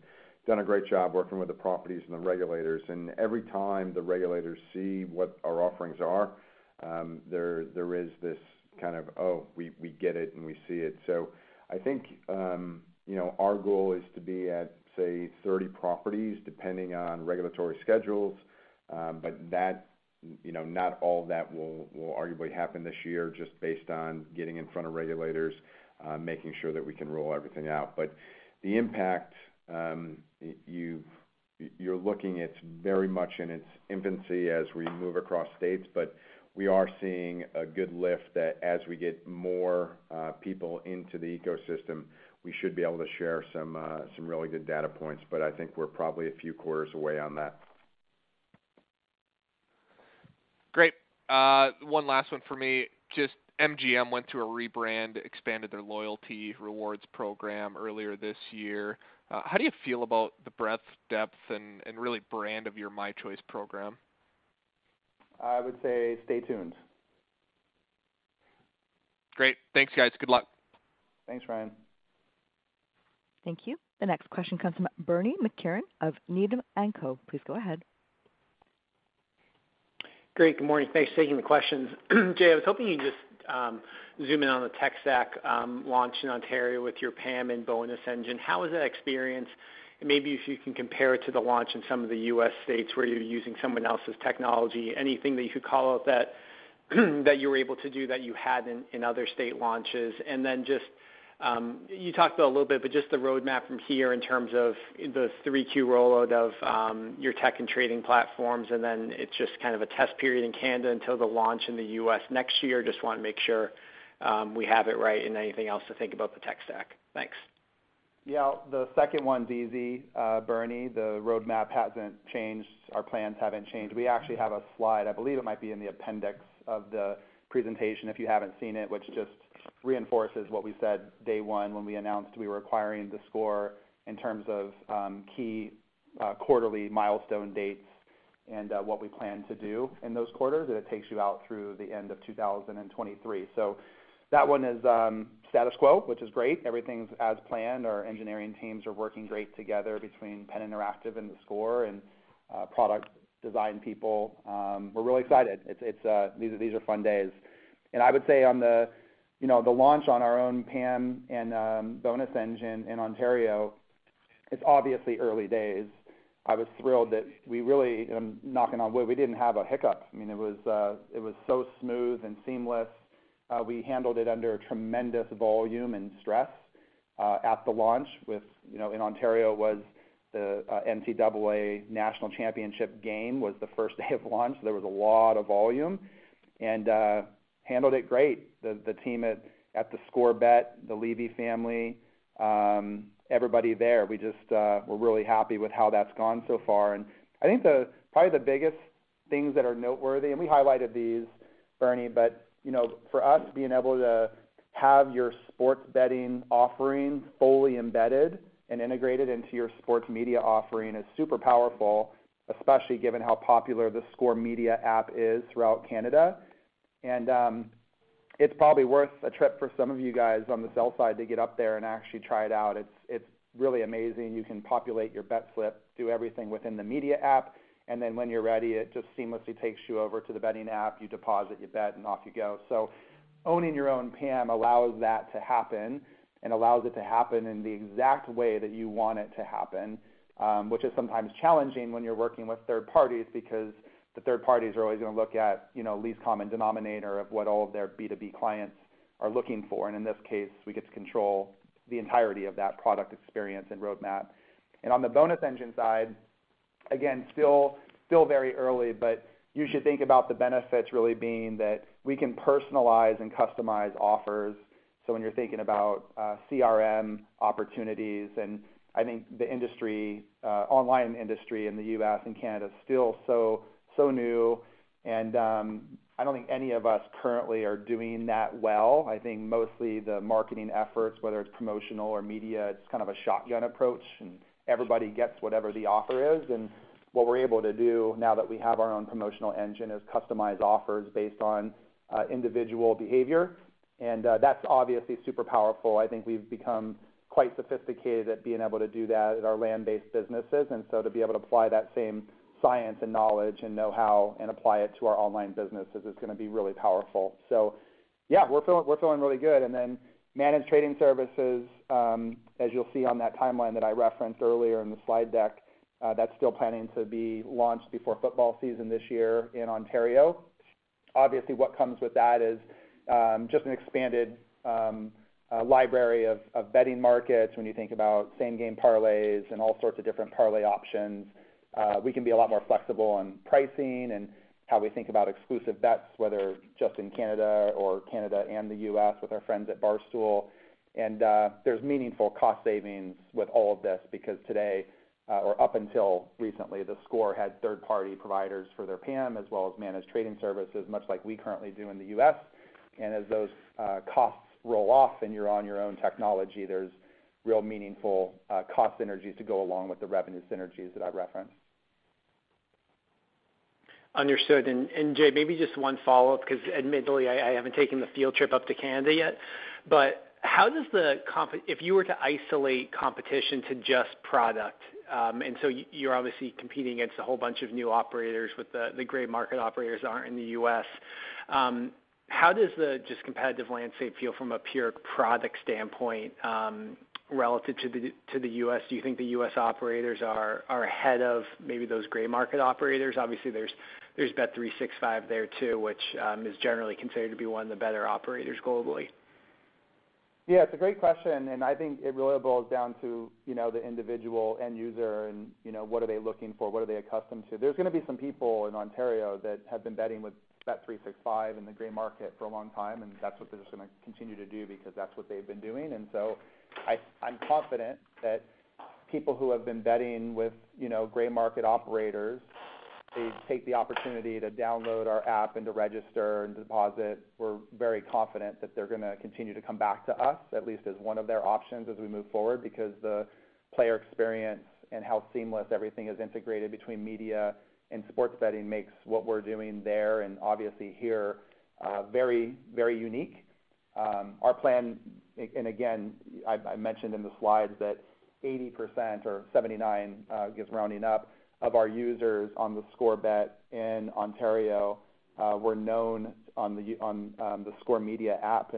done a great job working with the properties and the regulators. Every time the regulators see what our offerings are, there is this kind of, "Oh, we get it and we see it." I think, you know, our goal is to be at, say, 30 properties depending on regulatory schedules. You know, not all that will arguably happen this year just based on getting in front of regulators, making sure that we can roll everything out. The impact you're looking at very much in its infancy as we move across states, but we are seeing a good lift that as we get more people into the ecosystem, we should be able to share some really good data points. I think we're probably a few quarters away on that. Great. One last one for me. Just MGM went through a rebrand, expanded their loyalty rewards program earlier this year. How do you feel about the breadth, depth, and really brand of your mychoice program? I would say stay tuned. Great. Thanks, guys. Good luck. Thanks, Ryan. Thank you. The next question comes from Bernie McTernan of Needham & Company. Please go ahead. Great. Good morning. Thanks for taking the questions. Jay, I was hoping you could just zoom in on the tech stack launch in Ontario with your PAM and bonus engine. How is that experience? Maybe if you can compare it to the launch in some of the U.S. states where you're using someone else's technology, anything that you could call out that you were able to do that you hadn't in other state launches. Then just you talked about a little bit, but just the roadmap from here in terms of the three key rollout of your tech and trading platforms, and then it's just kind of a test period in Canada until the launch in the U.S. next year. Just want to make sure we have it right and anything else to think about the tech stack. Thanks. Yeah. The second one's easy, Bernie McTernan. The roadmap hasn't changed. Our plans haven't changed. We actually have a slide. I believe it might be in the appendix of the presentation if you haven't seen it, which just reinforces what we said day one when we announced we were acquiring theScore in terms of key quarterly milestone dates and what we plan to do in those quarters. It takes you out through the end of 2023. So that one is status quo, which is great. Everything's as planned. Our engineering teams are working great together between Penn Interactive and theScore and product design people. We're really excited. It's these are fun days. I would say on the launch on our own PAM and bonus engine in Ontario, it's obviously early days. I was thrilled that we really knocking on wood, we didn't have a hiccup. I mean, it was so smooth and seamless. We handled it under a tremendous volume and stress at the launch with in Ontario was the NCAA National Championship game was the first day of launch. There was a lot of volume and handled it great. The team at theScore Bet, the Levy family, everybody there, we just we're really happy with how that's gone so far. I think probably the biggest things that are noteworthy, and we highlighted these, Benjamin Chaiken, but, you know, for us, being able to have your sports betting offerings fully embedded and integrated into your sports media offering is super powerful, especially given how popular the theScore media app is throughout Canada. It's probably worth a trip for some of you guys on the sell side to get up there and actually try it out. It's really amazing. You can populate your bet slip, do everything within the media app, and then when you're ready, it just seamlessly takes you over to the betting app. You deposit your bet and off you go. Owning your own PAM allows that to happen and allows it to happen in the exact way that you want it to happen, which is sometimes challenging when you're working with third parties because the third parties are always gonna look at, you know, least common denominator of what all of their B2B clients are looking for. In this case, we get to control the entirety of that product experience and roadmap. On the bonus engine side, again, still very early, but you should think about the benefits really being that we can personalize and customize offers. When you're thinking about CRM opportunities, and I think the online industry in the U.S. and Canada is still so new. I don't think any of us currently are doing that well. I think mostly the marketing efforts, whether it's promotional or media, it's kind of a shotgun approach and everybody gets whatever the offer is. What we're able to do now that we have our own promotional engine is customize offers based on individual behavior. That's obviously super powerful. I think we've become quite sophisticated at being able to do that at our land-based businesses. To be able to apply that same science and knowledge and know-how and apply it to our online businesses is gonna be really powerful. Yeah, we're feeling really good. Managed trading services, as you'll see on that timeline that I referenced earlier in the slide deck, that's still planning to be launched before football season this year in Ontario. Obviously, what comes with that is just an expanded library of betting markets when you think about same game parlays and all sorts of different parlay options. We can be a lot more flexible on pricing and how we think about exclusive bets, whether just in Canada or Canada and the U.S. with our friends at Barstool. There's meaningful cost savings with all of this because today, or up until recently, theScore had third-party providers for their PAM as well as managed trading services, much like we currently do in the U.S. As those costs roll off and you're on your own technology, there's real meaningful cost synergies to go along with the revenue synergies that I referenced. Understood. Jay, maybe just one follow-up, 'cause admittedly I haven't taken the field trip up to Canada yet. If you were to isolate competition to just product, and so you're obviously competing against a whole bunch of new operators with the gray market operators in the U.S., how does just the competitive landscape feel from a pure product standpoint relative to the U.S.? Do you think the U.S. operators are ahead of maybe those gray market operators? Obviously, there's bet365 there too, which is generally considered to be one of the better operators globally. Yeah, it's a great question, and I think it really boils down to, you know, the individual end user and, you know, what are they looking for? What are they accustomed to? There's gonna be some people in Ontario that have been betting with bet365 in the gray market for a long time, and that's what they're just gonna continue to do because that's what they've been doing. I'm confident that people who have been betting with, you know, gray market operators, they take the opportunity to download our app and to register and deposit. We're very confident that they're gonna continue to come back to us, at least as one of their options as we move forward, because the player experience and how seamless everything is integrated between media and sports betting makes what we're doing there and obviously here very, very unique. Our plan, and again, I mentioned in the slides that 80% or 79%, given rounding up, of our users on theScore Bet in Ontario were known on theScore media app.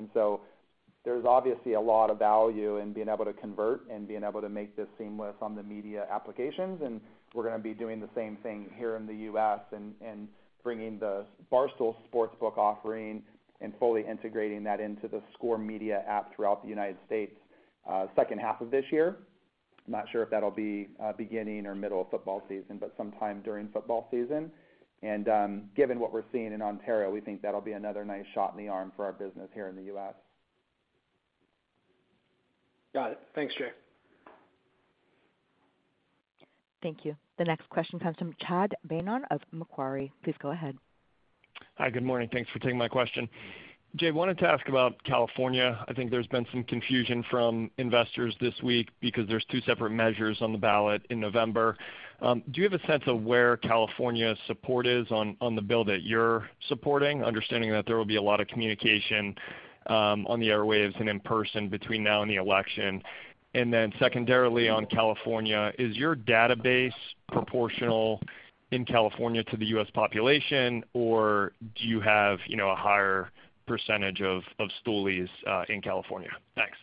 There's obviously a lot of value in being able to convert and being able to make this seamless on the media applications, and we're gonna be doing the same thing here in the U.S. and bringing the Barstool Sportsbook offering and fully integrating that into theScore media app throughout the United States, second half of this year. I'm not sure if that'll be beginning or middle of football season, but sometime during football season. Given what we're seeing in Ontario, we think that'll be another nice shot in the arm for our business here in the U.S. Got it. Thanks, Jay. Thank you. The next question comes from Chad Beynon of Macquarie. Please go ahead. Hi, good morning. Thanks for taking my question. Jay, wanted to ask about California. I think there's been some confusion from investors this week because there's two separate measures on the ballot in November. Do you have a sense of where California's support is on the bill that you're supporting? Understanding that there will be a lot of communication on the airwaves and in person between now and the election. Then secondarily on California, is your database proportional in California to the U.S. population, or do you have, you know, a higher percentage of stoolies in California? Thanks.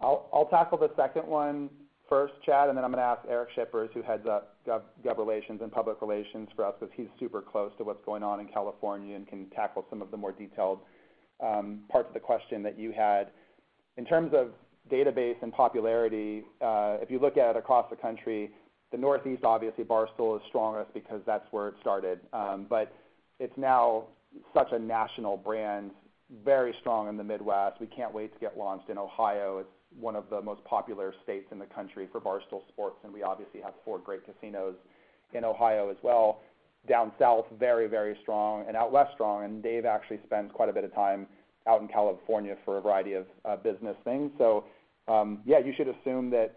I'll tackle the second one first, Chad, and then I'm gonna ask Eric Schippers, who heads up gov relations and public relations for us, because he's super close to what's going on in California and can tackle some of the more detailed parts of the question that you had. In terms of database and popularity, if you look at it across the country, the Northeast, obviously Barstool is strongest because that's where it started. But it's now such a national brand, very strong in the Midwest. We can't wait to get launched in Ohio. It's one of the most popular states in the country for Barstool Sports, and we obviously have four great casinos in Ohio as well. Down South, very, very strong and out West, strong. Dave actually spends quite a bit of time out in California for a variety of business things. Yeah, you should assume that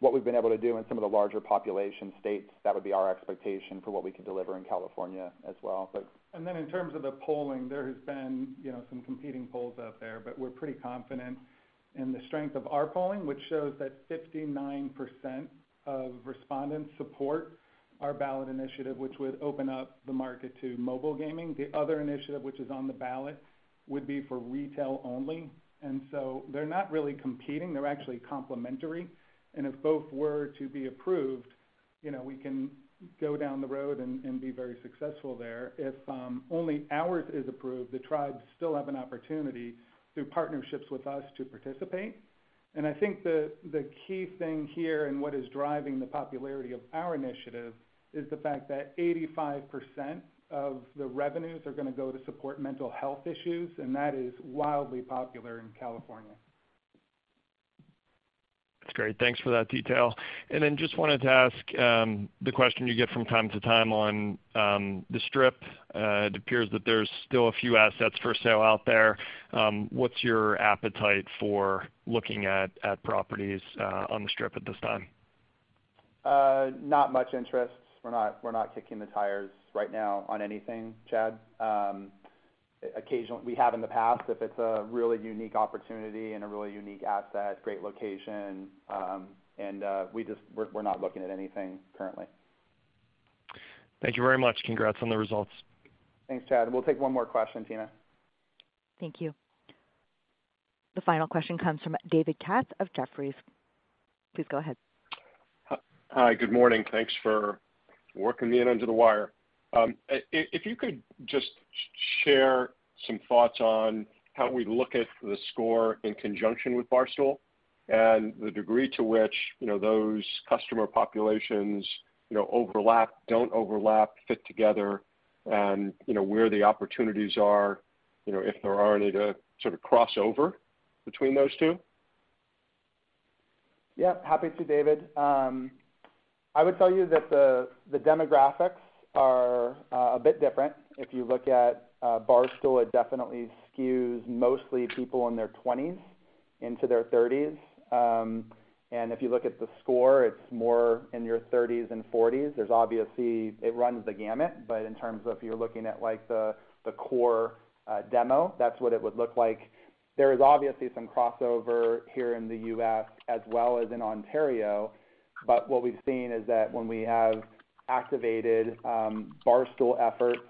what we've been able to do in some of the larger population states, that would be our expectation for what we could deliver in California as well. In terms of the polling, there has been, you know, some competing polls out there, but we're pretty confident in the strength of our polling, which shows that 59% of respondents support our ballot initiative, which would open up the market to mobile gaming. The other initiative, which is on the ballot, would be for retail only. They're not really competing. They're actually complementary. If both were to be approved, you know, we can go down the road and be very successful there. If only ours is approved, the tribes still have an opportunity through partnerships with us to participate. I think the key thing here and what is driving the popularity of our initiative is the fact that 85% of the revenues are gonna go to support mental health issues, and that is wildly popular in California. That's great. Thanks for that detail. Then just wanted to ask the question you get from time to time on the Strip. It appears that there's still a few assets for sale out there. What's your appetite for looking at properties on the Strip at this time? Not much interest. We're not kicking the tires right now on anything, Chad. Occasionally we have in the past, if it's a really unique opportunity and a really unique asset, great location, and we're not looking at anything currently. Thank you very much. Congrats on the results. Thanks, Chad. We'll take one more question, Tina. Thank you. The final question comes from David Katz of Jefferies. Please go ahead. Hi, good morning. Thanks for working me in under the wire. If you could just share some thoughts on how we look at theScore in conjunction with Barstool and the degree to which, you know, those customer populations, you know, overlap, don't overlap, fit together, and, you know, where the opportunities are, you know, if there are any to sort of cross over between those two. Yeah, happy to, David. I would tell you that the demographics are a bit different. If you look at Barstool, it definitely skews mostly people in their twenties into their thirties. If you look at The Score, it's more in your thirties and forties. There's obviously it runs the gamut, but in terms of you're looking at, like, the core demo, that's what it would look like. There is obviously some crossover here in the U.S. as well as in Ontario, but what we've seen is that when we have activated Barstool efforts,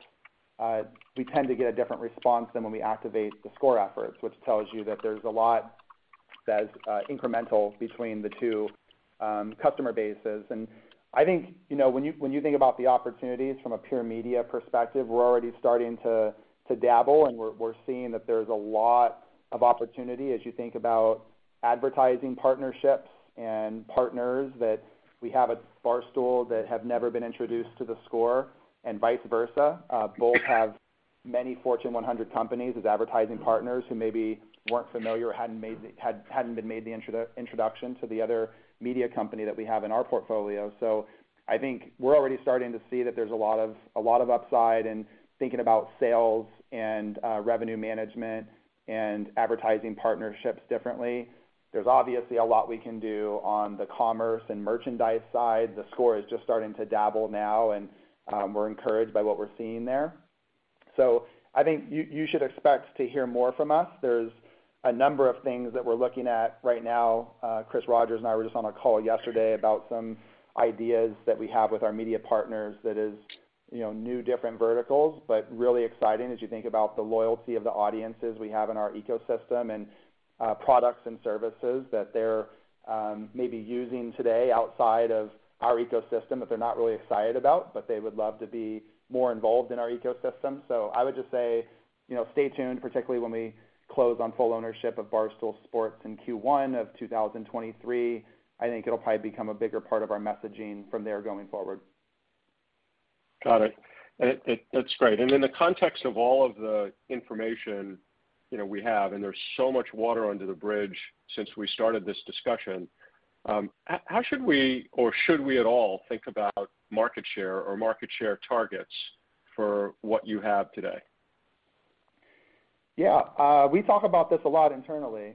we tend to get a different response than when we activate The Score efforts, which tells you that there's a lot that's incremental between the two customer bases. I think, you know, when you think about the opportunities from a pure media perspective, we're already starting to dabble, and we're seeing that there's a lot of opportunity as you think about advertising partnerships and partners that we have at Barstool that have never been introduced to theScore, and vice versa. Both have many Fortune 100 companies as advertising partners who maybe weren't familiar or hadn't been made the introduction to the other media company that we have in our portfolio. I think we're already starting to see that there's a lot of upside in thinking about sales and revenue management and advertising partnerships differently. There's obviously a lot we can do on the commerce and merchandise side. theScore is just starting to dabble now, and we're encouraged by what we're seeing there. I think you should expect to hear more from us. There's a number of things that we're looking at right now. Chris Rogers and I were just on a call yesterday about some ideas that we have with our media partners that is, you know, new, different verticals, but really exciting as you think about the loyalty of the audiences we have in our ecosystem and products and services that they're maybe using today outside of our ecosystem that they're not really excited about, but they would love to be more involved in our ecosystem. I would just say, you know, stay tuned, particularly when we close on full ownership of Barstool Sports in Q1 of 2023. I think it'll probably become a bigger part of our messaging from there going forward. Got it. That, that's great. In the context of all of the information, you know, we have, and there's so much water under the bridge since we started this discussion, how should we or should we at all think about market share or market share targets for what you have today? Yeah. We talk about this a lot internally.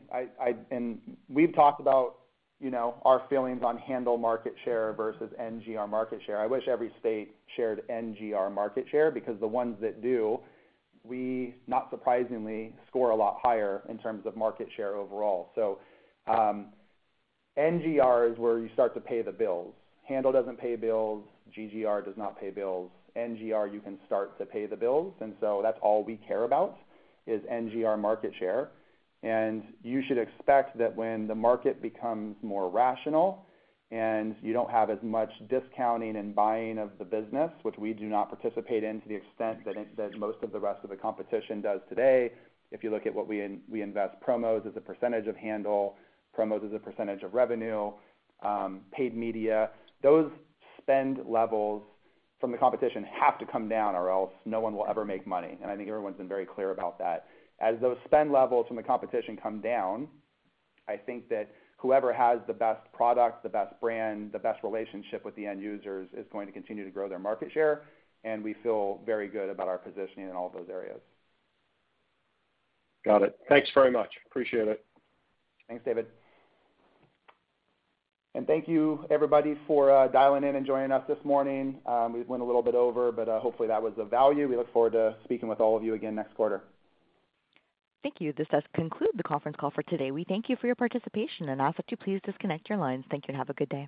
We've talked about, you know, our feelings on handle market share versus NGR market share. I wish every state shared NGR market share because the ones that do, we, not surprisingly, score a lot higher in terms of market share overall. NGR is where you start to pay the bills. Handle doesn't pay bills. GGR does not pay bills. NGR, you can start to pay the bills, and so that's all we care about is NGR market share. You should expect that when the market becomes more rational and you don't have as much discounting and buying of the business, which we do not participate in to the extent that most of the rest of the competition does today. If you look at what we invest in promos as a percentage of handle, promos as a percentage of revenue, paid media, those spend levels from the competition have to come down or else no one will ever make money, and I think everyone's been very clear about that. As those spend levels from the competition come down, I think that whoever has the best product, the best brand, the best relationship with the end users is going to continue to grow their market share, and we feel very good about our positioning in all of those areas. Got it. Thanks very much. Appreciate it. Thanks, David. Thank you, everybody, for dialing in and joining us this morning. We went a little bit over, but hopefully that was of value. We look forward to speaking with all of you again next quarter. Thank you. This does conclude the conference call for today. We thank you for your participation and ask that you please disconnect your lines. Thank you, and have a good day.